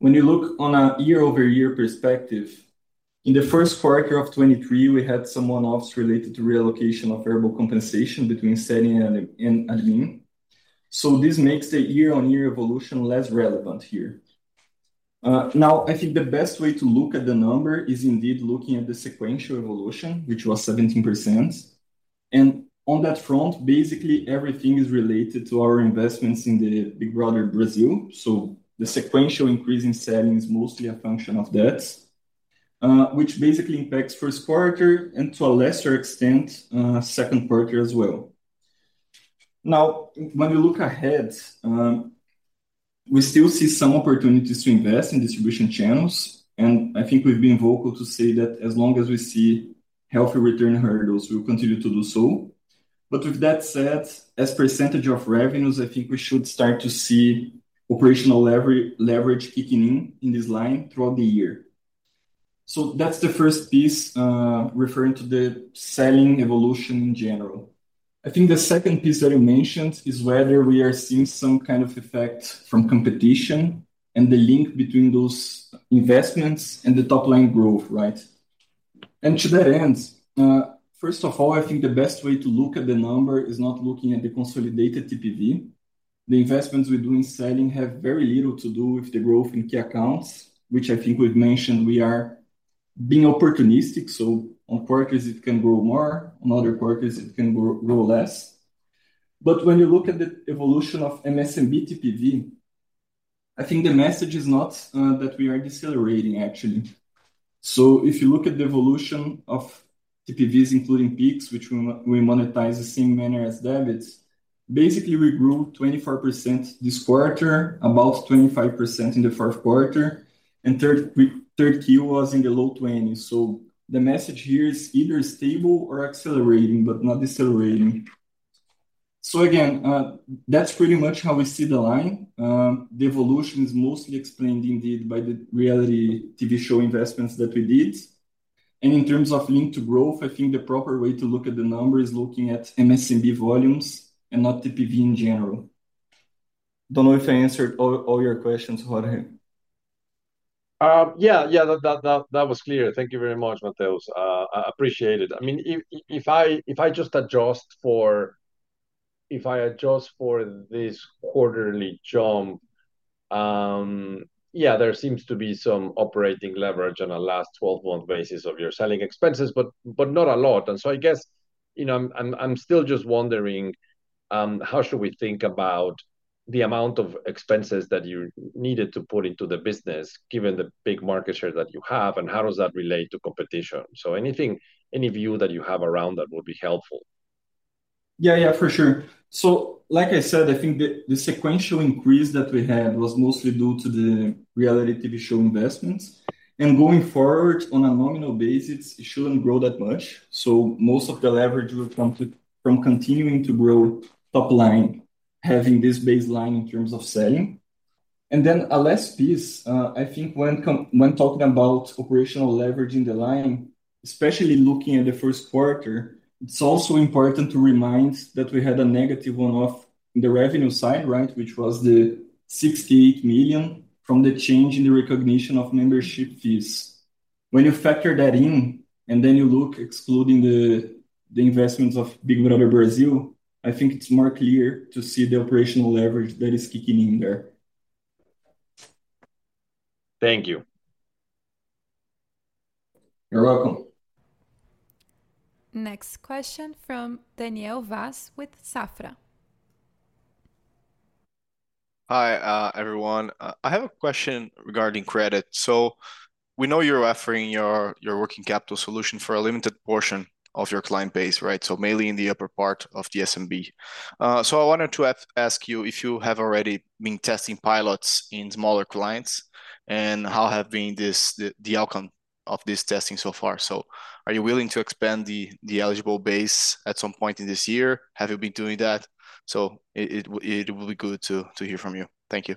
S5: When you look on a year-over-year perspective, in the first quarter of 2023, we had some one-offs related to relocation of variable compensation between selling and admin. So this makes the year-over-year evolution less relevant here. Now, I think the best way to look at the number is indeed looking at the sequential evolution, which was 17%. And on that front, basically everything is related to our investments in the Big Brother Brasil. So the sequential increase in selling is mostly a function of that, which basically impacts first quarter and to a lesser extent, second quarter as well. Now, when we look ahead, we still see some opportunities to invest in distribution channels. And I think we've been vocal to say that as long as we see healthy return hurdles, we'll continue to do so. But with that said, as percentage of revenues, I think we should start to see operational leverage kicking in in this line throughout the year. So that's the first piece referring to the selling evolution in general. I think the second piece that you mentioned is whether we are seeing some kind of effect from competition and the link between those investments and the top-line growth, right? And to that end, first of all, I think the best way to look at the number is not looking at the consolidated TPV. The investments we do in selling have very little to do with the growth in key accounts, which I think we've mentioned we are being opportunistic. So in quarters, it can grow more. On other quarters, it can grow less. But when you look at the evolution of MSMB TPV, I think the message is not that we are decelerating, actually. So if you look at the evolution of TPVs, including Pix, which we monetize the same manner as debits, basically we grew 24% this quarter, about 25% in the fourth quarter, and third quarter was in the low 20s. So the message here is either stable or accelerating, but not decelerating. So again, that's pretty much how we see the line. The evolution is mostly explained indeed by the reality TV show investments that we did. In terms of Linx to growth, I think the proper way to look at the number is looking at MSMB volumes and not TPV in general. Don't know if I answered all your questions, Jorge.
S12: Yeah, yeah, that was clear. Thank you very much, Mateus. I appreciate it. I mean, if I just adjust for if I adjust for this quarterly jump, yeah, there seems to be some operating leverage on a last 12-month basis of your selling expenses, but not a lot. So I guess I'm still just wondering how should we think about the amount of expenses that you needed to put into the business given the big market share that you have, and how does that relate to competition? Anything, any view that you have around that would be helpful.
S5: Yeah, yeah, for sure. So like I said, I think the sequential increase that we had was mostly due to the reality TV show investments. And going forward on a nominal basis, it shouldn't grow that much. So most of the leverage will come from continuing to grow top line, having this baseline in terms of selling. And then a last piece, I think when talking about operational leverage in the line, especially looking at the first quarter, it's also important to remind that we had a negative one-off in the revenue side, right? Which was the 68 million from the change in the recognition of membership fees. When you factor that in and then you look excluding the investments of Big Brother Brasil, I think it's more clear to see the operational leverage that is kicking in there.
S12: Thank you.
S5: You're welcome.
S1: Next question from Daniel Vaz with Safra.
S13: Hi everyone. I have a question regarding credit. So we know you're offering your working capital solution for a limited portion of your client base, right? So mainly in the upper part of the SMB. So I wanted to ask you if you have already been testing pilots in smaller clients and how have been the outcome of this testing so far? So are you willing to expand the eligible base at some point in this year? Have you been doing that? So it will be good to hear from you. Thank you.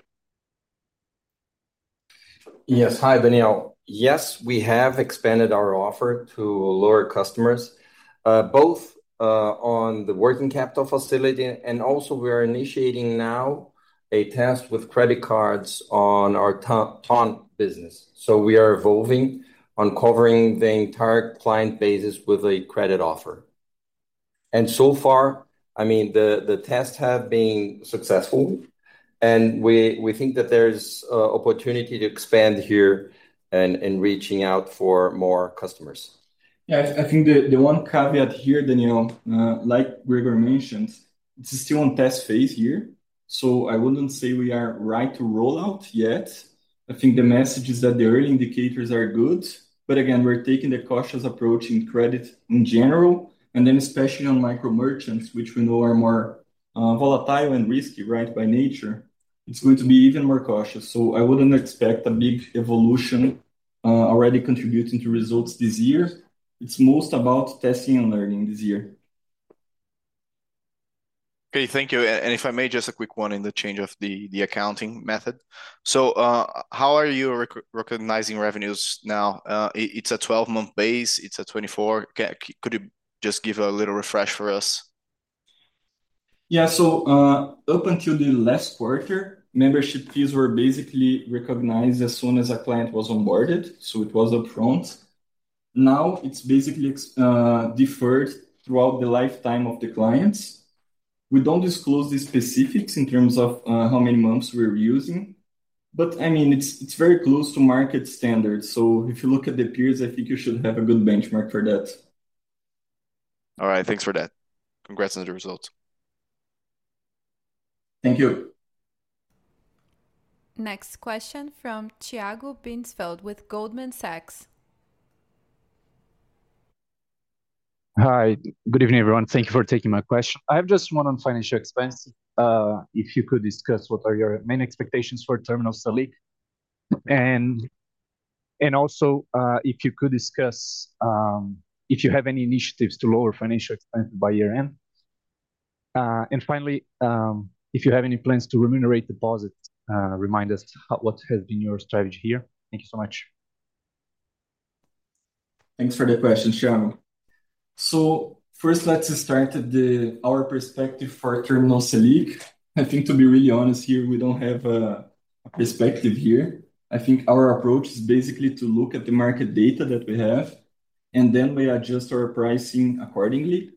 S9: Yes. Hi Daniel. Yes, we have expanded our offer to lower customers, both on the working capital facility and also we are initiating now a test with credit cards on our TON business. So we are evolving on covering the entire client basis with a credit offer. And so far, I mean, the tests have been successful. And we think that there's an opportunity to expand here and reaching out for more customers.
S5: Yeah, I think the one caveat here, Daniel, like Gregor mentioned, it's still on test phase here. So I wouldn't say we are right to roll out yet. I think the message is that the early indicators are good. But again, we're taking the cautious approach in credit in general. And then especially on micro merchants, which we know are more volatile and risky, right, by nature, it's going to be even more cautious. So I wouldn't expect a big evolution already contributing to results this year. It's most about testing and learning this year.
S13: Okay, thank you. If I may, just a quick one in the change of the accounting method. So how are you recognizing revenues now? It's a 12-month base. It's a 24. Could you just give a little refresh for us?
S5: Yeah, so up until the last quarter, membership fees were basically recognized as soon as a client was onboarded. It was upfront. Now it's basically deferred throughout the lifetime of the clients. We don't disclose the specifics in terms of how many months we're using. But I mean, it's very close to market standards. If you look at the peers, I think you should have a good benchmark for that.
S13: All right, thanks for that. Congrats on the results.
S5: Thank you.
S1: Next question from Tiago Binsfeld with Goldman Sachs.
S14: Hi. Good evening, everyone. Thank you for taking my question. I have just one on financial expenses. If you could discuss what are your main expectations for terminal Selic. And also if you could discuss if you have any initiatives to lower financial expenses by year-end. And finally, if you have any plans to remunerate deposits. Remind us what has been your strategy here. Thank you so much.
S5: Thanks for the question, Sean. So first, let's start with our perspective for terminal value. I think to be really honest here, we don't have a perspective here. I think our approach is basically to look at the market data that we have. And then we adjust our pricing accordingly.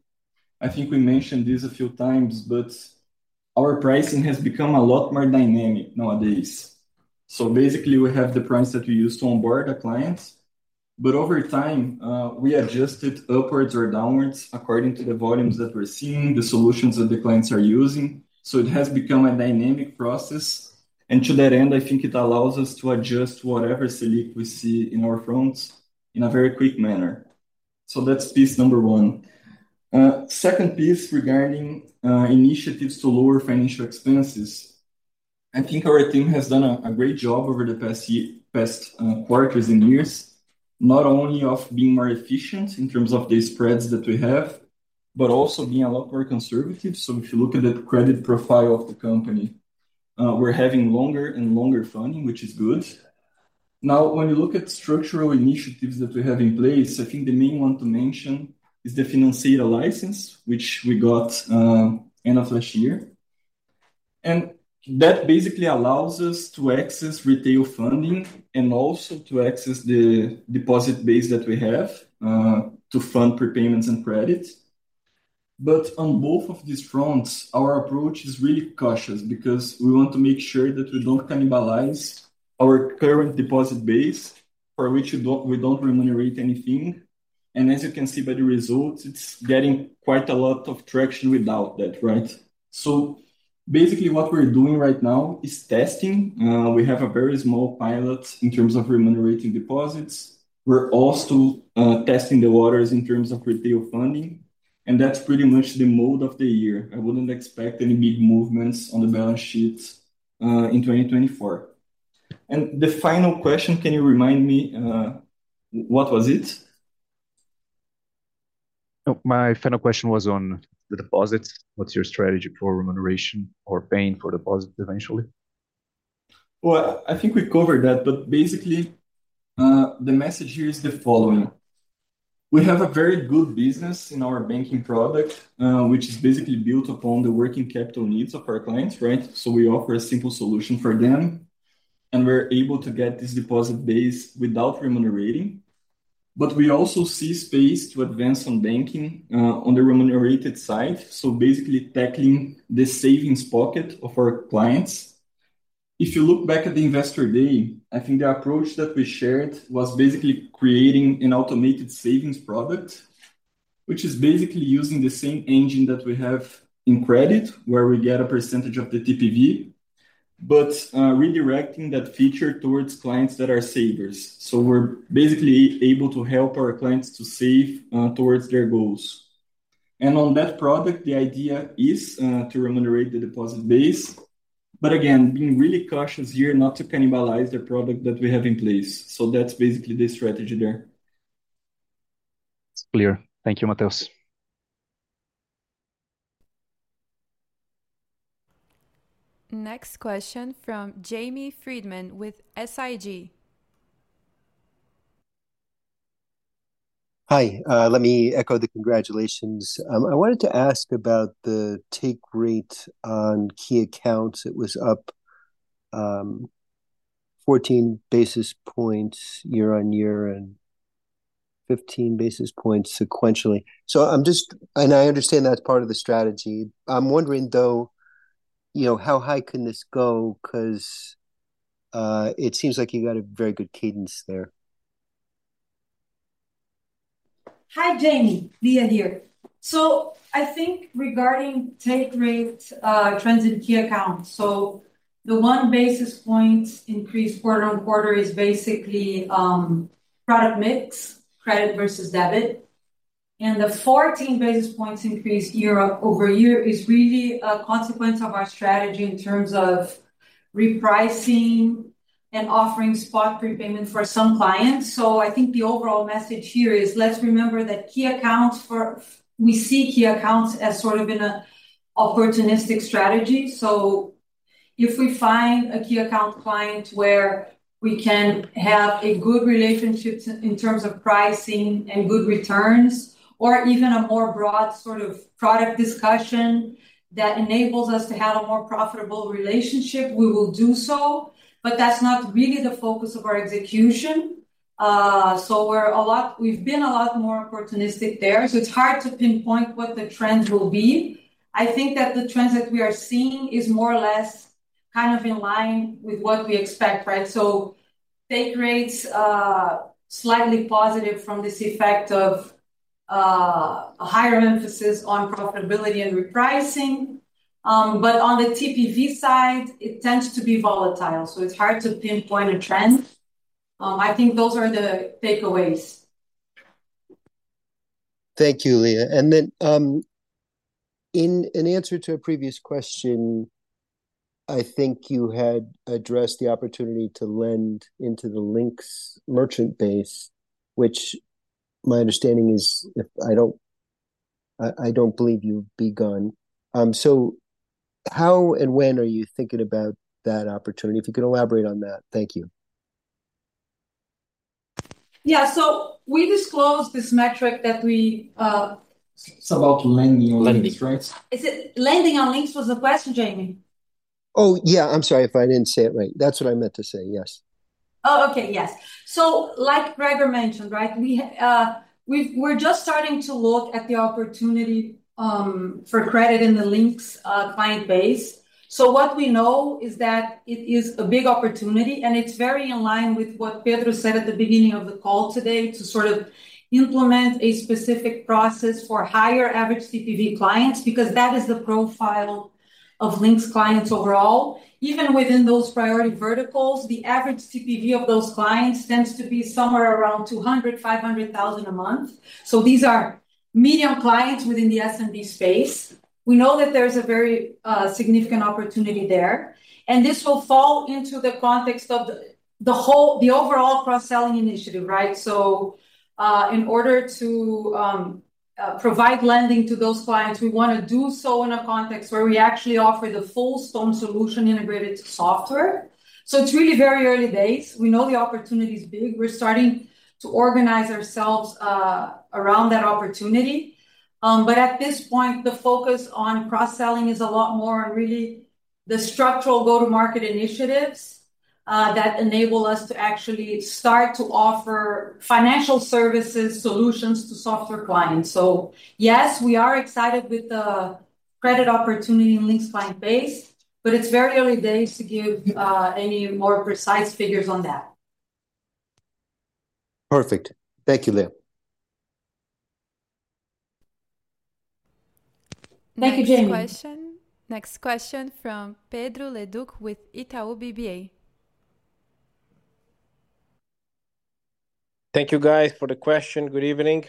S5: I think we mentioned this a few times, but our pricing has become a lot more dynamic nowadays. So basically, we have the price that we use to onboard our clients. But over time, we adjusted upwards or downwards according to the volumes that we're seeing, the solutions that the clients are using. So it has become a dynamic process. And to that end, I think it allows us to adjust whatever value we see in our fronts in a very quick manner. So that's piece number one. Second piece regarding initiatives to lower financial expenses. I think our team has done a great job over the past quarters and years, not only of being more efficient in terms of the spreads that we have, but also being a lot more conservative. If you look at the credit profile of the company, we're having longer and longer funding, which is good. Now, when you look at structural initiatives that we have in place, I think the main one to mention is the financier license, which we got end of last year. That basically allows us to access retail funding and also to access the deposit base that we have to fund prepayments and credit. On both of these fronts, our approach is really cautious because we want to make sure that we don't cannibalize our current deposit base for which we don't remunerate anything. As you can see by the results, it's getting quite a lot of traction without that, right? Basically what we're doing right now is testing. We have a very small pilot in terms of remunerating deposits. We're also testing the waters in terms of retail funding. That's pretty much the mode of the year. I wouldn't expect any big movements on the balance sheet in 2024. The final question, can you remind me what was it?
S14: My final question was on the deposits. What's your strategy for remuneration or paying for deposits eventually?
S5: Well, I think we covered that, but basically the message here is the following. We have a very good business in our banking product, which is basically built upon the working capital needs of our clients, right? So we offer a simple solution for them. And we're able to get this deposit base without remunerating. But we also see space to advance on banking on the remunerated side. So basically tackling the savings pocket of our clients. If you look back at the investor day, I think the approach that we shared was basically creating an automated savings product, which is basically using the same engine that we have in credit where we get a percentage of the TPV, but redirecting that feature towards clients that are savers. So we're basically able to help our clients to save towards their goals. On that product, the idea is to remunerate the deposit base. But again, being really cautious here not to cannibalize the product that we have in place. So that's basically the strategy there.
S14: It's clear. Thank you, Mateus.
S1: Next question from Jamie Friedman with SIG.
S15: Hi. Let me echo the congratulations. I wanted to ask about the take rate on key accounts. It was up 14 basis points year-on-year and 15 basis points sequentially. I understand that's part of the strategy. I'm wondering, though, how high can this go because it seems like you got a very good cadence there.
S4: Hi, Jamie. Lia here. So I think regarding take rate, trends in key accounts. So the 1 basis point increase quarter-on-quarter is basically product mix, credit versus debit. And the 14 basis points increase year-over-year is really a consequence of our strategy in terms of repricing and offering spot prepayment for some clients. So I think the overall message here is let's remember that key accounts, for we see key accounts as sort of an opportunistic strategy. So if we find a key account client where we can have a good relationship in terms of pricing and good returns, or even a more broad sort of product discussion that enables us to have a more profitable relationship, we will do so. But that's not really the focus of our execution. So we've been a lot more opportunistic there. So it's hard to pinpoint what the trends will be. I think that the trends that we are seeing is more or less kind of in line with what we expect, right? So take rates slightly positive from this effect of a higher emphasis on profitability and repricing. But on the TPV side, it tends to be volatile. So it's hard to pinpoint a trend. I think those are the takeaways.
S15: Thank you, Lia. And then, in answer to a previous question, I think you had addressed the opportunity to lend into the Linx merchant base, which my understanding is if I don't believe you've begun. So how and when are you thinking about that opportunity? If you could elaborate on that. Thank you.
S4: Yeah. So we disclosed this metric that we.
S5: It's about lending on Linx, right?
S4: Is it lending on Linx was the question, Jamie?
S15: Oh, yeah. I'm sorry if I didn't say it right. That's what I meant to say. Yes.
S4: Oh, okay. Yes. So like Gregor mentioned, right, we're just starting to look at the opportunity for credit in the Linx client base. So what we know is that it is a big opportunity. And it's very in line with what Pedro said at the beginning of the call today to sort of implement a specific process for higher average TPV clients because that is the profile of Linx clients overall. Even within those priority verticals, the average TPV of those clients tends to be somewhere around 200,000-500,000 a month. So these are medium clients within the SMB space. We know that there's a very significant opportunity there. And this will fall into the context of the overall cross-selling initiative, right? So in order to provide lending to those clients, we want to do so in a context where we actually offer the full Stone Solution integrated software. It's really very early days. We know the opportunity is big. We're starting to organize ourselves around that opportunity. But at this point, the focus on cross-selling is a lot more on really the structural go-to-market initiatives that enable us to actually start to offer financial services solutions to software clients. Yes, we are excited with the credit opportunity in Linx client base, but it's very early days to give any more precise figures on that.
S15: Perfect. Thank you, Lia.
S4: Thank you, Jamie. Next question. Next question from Pedro Leduc with Itaú BBA.
S16: Thank you guys for the question. Good evening.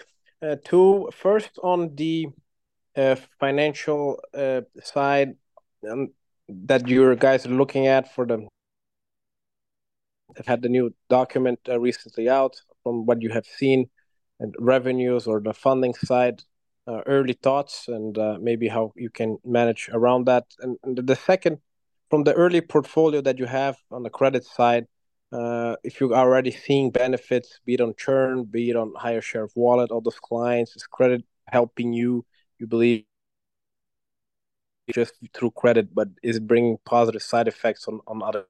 S16: First, on the financial side that you guys are looking at for the I've had the new document recently out from what you have seen and revenues or the funding side, early thoughts and maybe how you can manage around that. And the second, from the early portfolio that you have on the credit side, if you're already seeing benefits, be it on churn, be it on higher share of wallet all those clients, is credit helping you, you believe, just through credit, but is it bringing positive side effects on other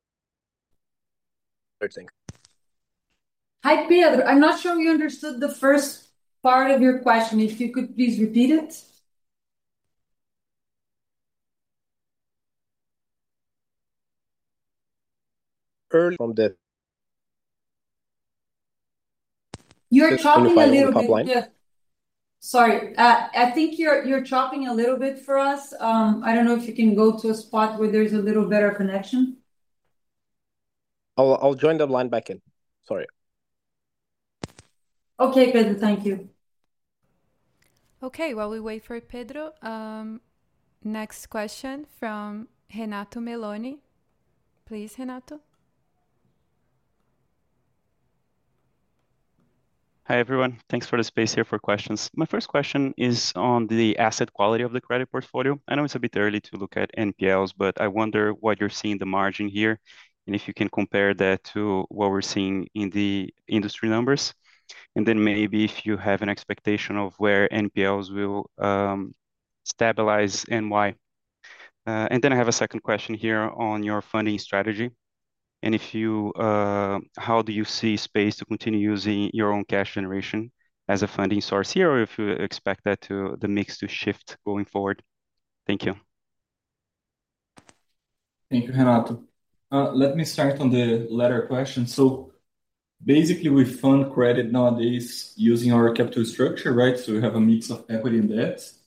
S16: things?
S4: Hi, Pedro. I'm not sure you understood the first part of your question. If you could please repeat it.
S16: Early. From the.
S4: You're chopping a little bit. Yeah. Sorry. I think you're chopping a little bit for us. I don't know if you can go to a spot where there's a little better connection.
S16: I'll join the line back in. Sorry.
S4: Okay, Pedro. Thank you.
S1: Okay. While we wait for Pedro, next question from Renato Meloni. Please, Renato.
S17: Hi, everyone. Thanks for the space here for questions. My first question is on the asset quality of the credit portfolio. I know it's a bit early to look at NPLs, but I wonder what you're seeing the margin here and if you can compare that to what we're seeing in the industry numbers. And then maybe if you have an expectation of where NPLs will stabilize and why. And then I have a second question here on your funding strategy. And how do you see space to continue using your own cash generation as a funding source here, or if you expect that mix to shift going forward? Thank you.
S5: Thank you, Renato. Let me start on the latter question. So basically, we fund credit nowadays using our capital structure, right? So we have a mix of equity and debts.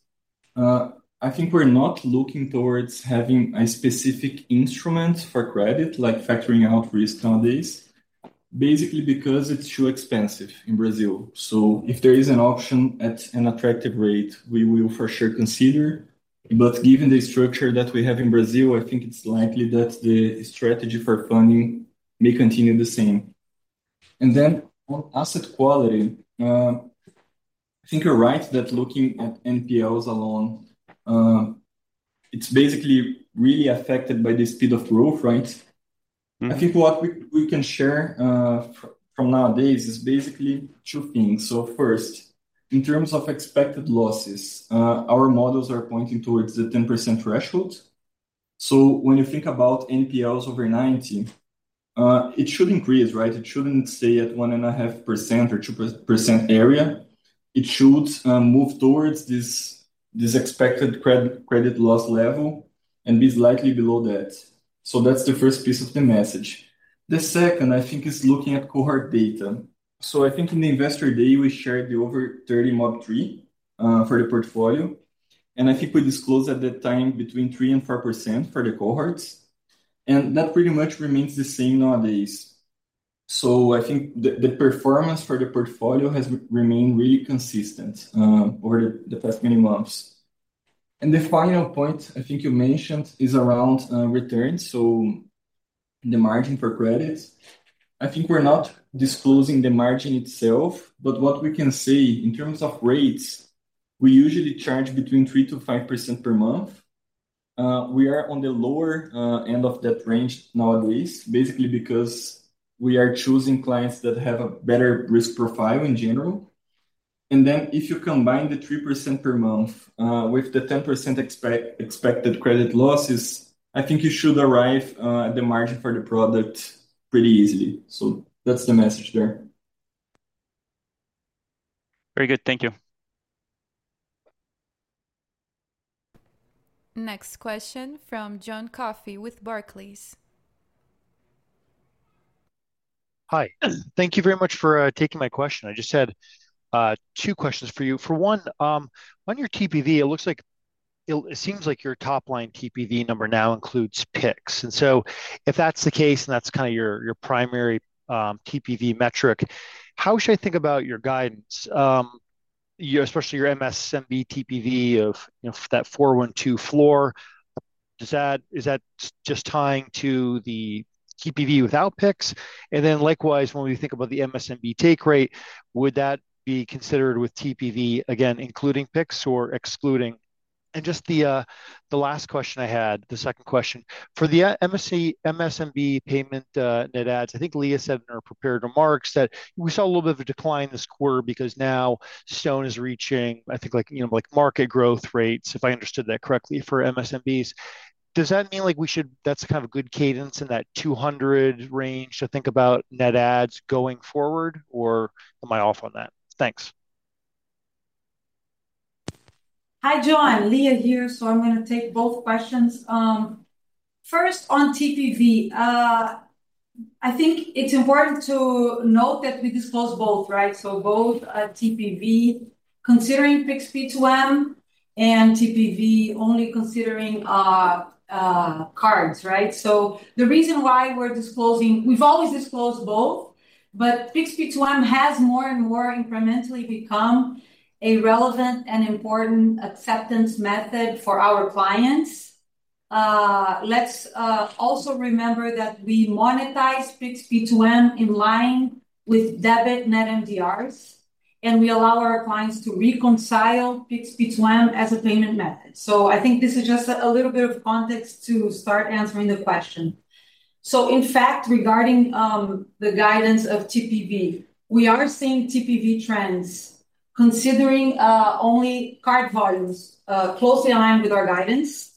S5: I think we're not looking towards having a specific instrument for credit like factoring out risk nowadays, basically because it's too expensive in Brazil. So if there is an option at an attractive rate, we will for sure consider. But given the structure that we have in Brazil, I think it's likely that the strategy for funding may continue the same. And then on asset quality, I think you're right that looking at NPLs alone, it's basically really affected by the speed of growth, right? I think what we can share from nowadays is basically two things. So first, in terms of expected losses, our models are pointing towards the 10% threshold. So when you think about NPLs over 90, it should increase, right? It shouldn't stay at 1.5% or 2% area. It should move towards this expected credit loss level and be slightly below that. So that's the first piece of the message. The second, I think, is looking at cohort data. So I think in the investor day, we shared the over 30-month for the portfolio. And I think we disclosed at that time between 3% and 4% for the cohorts. And that pretty much remains the same nowadays. So I think the performance for the portfolio has remained really consistent over the past many months. And the final point I think you mentioned is around returns, so the margin for credits. I think we're not disclosing the margin itself, but what we can say in terms of rates, we usually charge between 3%-5% per month. We are on the lower end of that range nowadays, basically because we are choosing clients that have a better risk profile in general. And then if you combine the 3% per month with the 10% expected credit losses, I think you should arrive at the margin for the product pretty easily. So that's the message there.
S17: Very good. Thank you.
S1: Next question from John Coffey with Barclays.
S18: Hi. Thank you very much for taking my question. I just had two questions for you. For one, on your TPV, it looks like it seems like your top-line TPV number now includes Pix. And so if that's the case and that's kind of your primary TPV metric, how should I think about your guidance, especially your MSMB TPV of that 412 floor? Is that just tying to the TPV without Pix? And then likewise, when we think about the MSMB take rate, would that be considered with TPV, again, including Pix or excluding? And just the last question I had, the second question. For the MSMB payment net adds, I think Lia said in her prepared remarks that we saw a little bit of a decline this quarter because now Stone is reaching, I think, market growth rates, if I understood that correctly, for MSMBs. Does that mean that's kind of a good cadence in that 200 range to think about net adds going forward, or am I off on that? Thanks.
S4: Hi, John. Lia here. So I'm going to take both questions. First, on TPV, I think it's important to note that we disclose both, right? So both TPV considering Pix P2M and TPV only considering cards, right? So the reason why we're disclosing we've always disclosed both, but Pix P2M has more and more incrementally become a relevant and important acceptance method for our clients. Let's also remember that we monetize Pix P2M in line with debit net MDRs, and we allow our clients to reconcile Pix P2M as a payment method. So I think this is just a little bit of context to start answering the question. So in fact, regarding the guidance of TPV, we are seeing TPV trends considering only card volumes closely aligned with our guidance.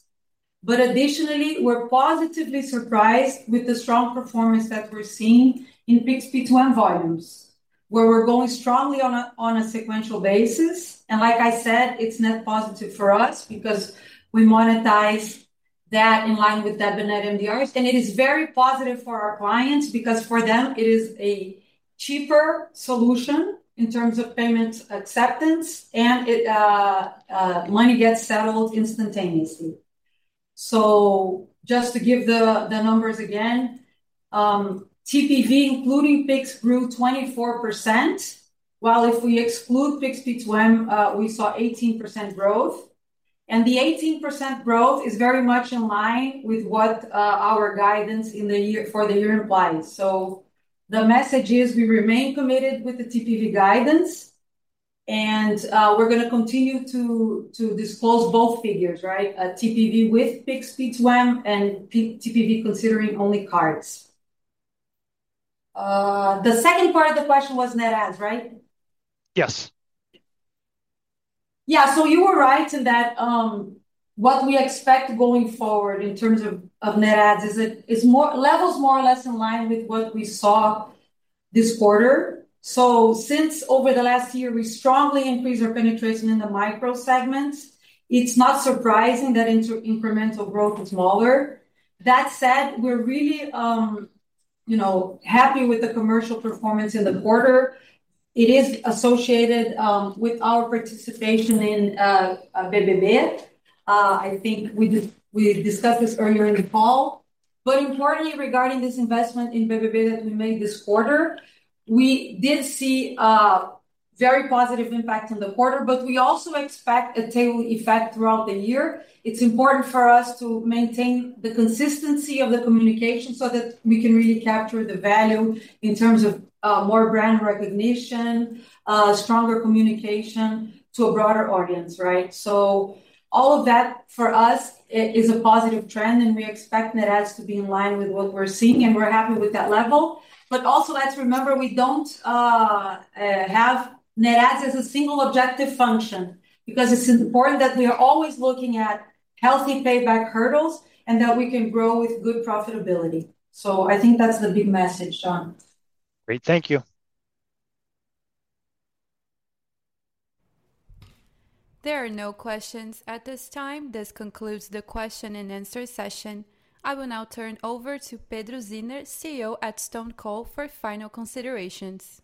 S4: But additionally, we're positively surprised with the strong performance that we're seeing in Pix P2M volumes, where we're going strongly on a sequential basis. And like I said, it's net positive for us because we monetize that in line with debit net MDRs. It is very positive for our clients because for them, it is a cheaper solution in terms of payment acceptance, and money gets settled instantaneously. So just to give the numbers again, TPV including Pix grew 24%, while if we exclude Pix P2M, we saw 18% growth. The 18% growth is very much in line with what our guidance for the year implies. The message is we remain committed with the TPV guidance, and we're going to continue to disclose both figures, right? TPV with Pix P2M and TPV considering only cards. The second part of the question was net adds, right?
S18: Yes.
S4: Yeah. So you were right in that what we expect going forward in terms of net adds is levels more or less in line with what we saw this quarter. So since over the last year, we strongly increased our penetration in the micro segments, it's not surprising that incremental growth is smaller. That said, we're really happy with the commercial performance in the quarter. It is associated with our participation in BBB. I think we discussed this earlier in the call. But importantly, regarding this investment in BBB that we made this quarter, we did see a very positive impact in the quarter, but we also expect a tailwind effect throughout the year. It's important for us to maintain the consistency of the communication so that we can really capture the value in terms of more brand recognition, stronger communication to a broader audience, right? So all of that for us is a positive trend, and we expect net adds to be in line with what we're seeing, and we're happy with that level. But also let's remember, we don't have net adds as a single objective function because it's important that we are always looking at healthy payback hurdles and that we can grow with good profitability. So I think that's the big message, John.
S18: Great. Thank you.
S1: There are no questions at this time. This concludes the question and answer session. I will now turn over to Pedro Zinner, CEO at StoneCo, for final considerations.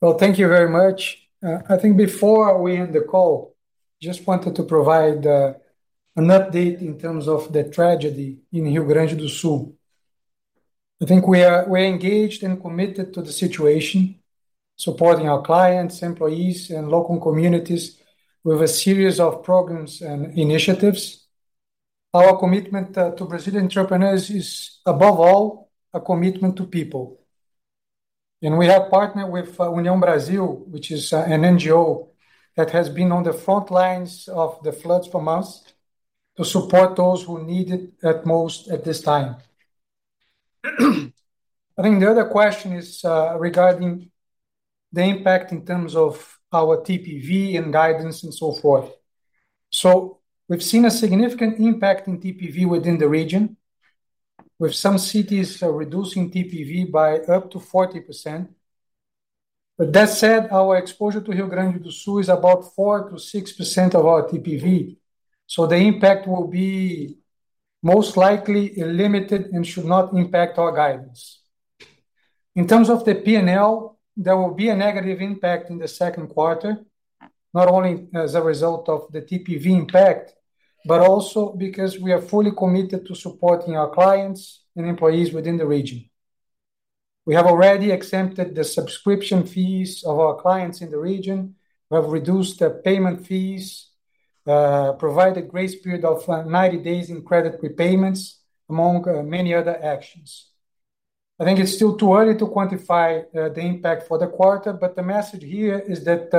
S3: Well, thank you very much. I think before we end the call, I just wanted to provide an update in terms of the tragedy in Rio Grande do Sul. I think we are engaged and committed to the situation, supporting our clients, employees, and local communities with a series of programs and initiatives. Our commitment to Brazilian entrepreneurs is above all a commitment to people. And we have partnered with União BR, which is an NGO that has been on the front lines of the floods for months to support those who need it at most at this time. I think the other question is regarding the impact in terms of our TPV and guidance and so forth. So we've seen a significant impact in TPV within the region, with some cities reducing TPV by up to 40%. But that said, our exposure to Rio Grande do Sul is about 4%-6% of our TPV. So the impact will be most likely limited and should not impact our guidance. In terms of the P&L, there will be a negative impact in the second quarter, not only as a result of the TPV impact, but also because we are fully committed to supporting our clients and employees within the region. We have already exempted the subscription fees of our clients in the region. We have reduced the payment fees, provided a grace period of 90 days in credit repayments, among many other actions. I think it's still too early to quantify the impact for the quarter, but the message here is that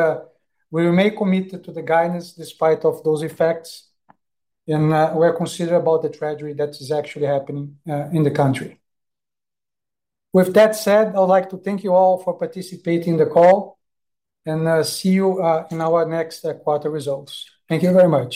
S3: we remain committed to the guidance despite those effects, and we are considerate about the tragedy that is actually happening in the country. With that said, I would like to thank you all for participating in the call and see you in our next quarter results. Thank you very much.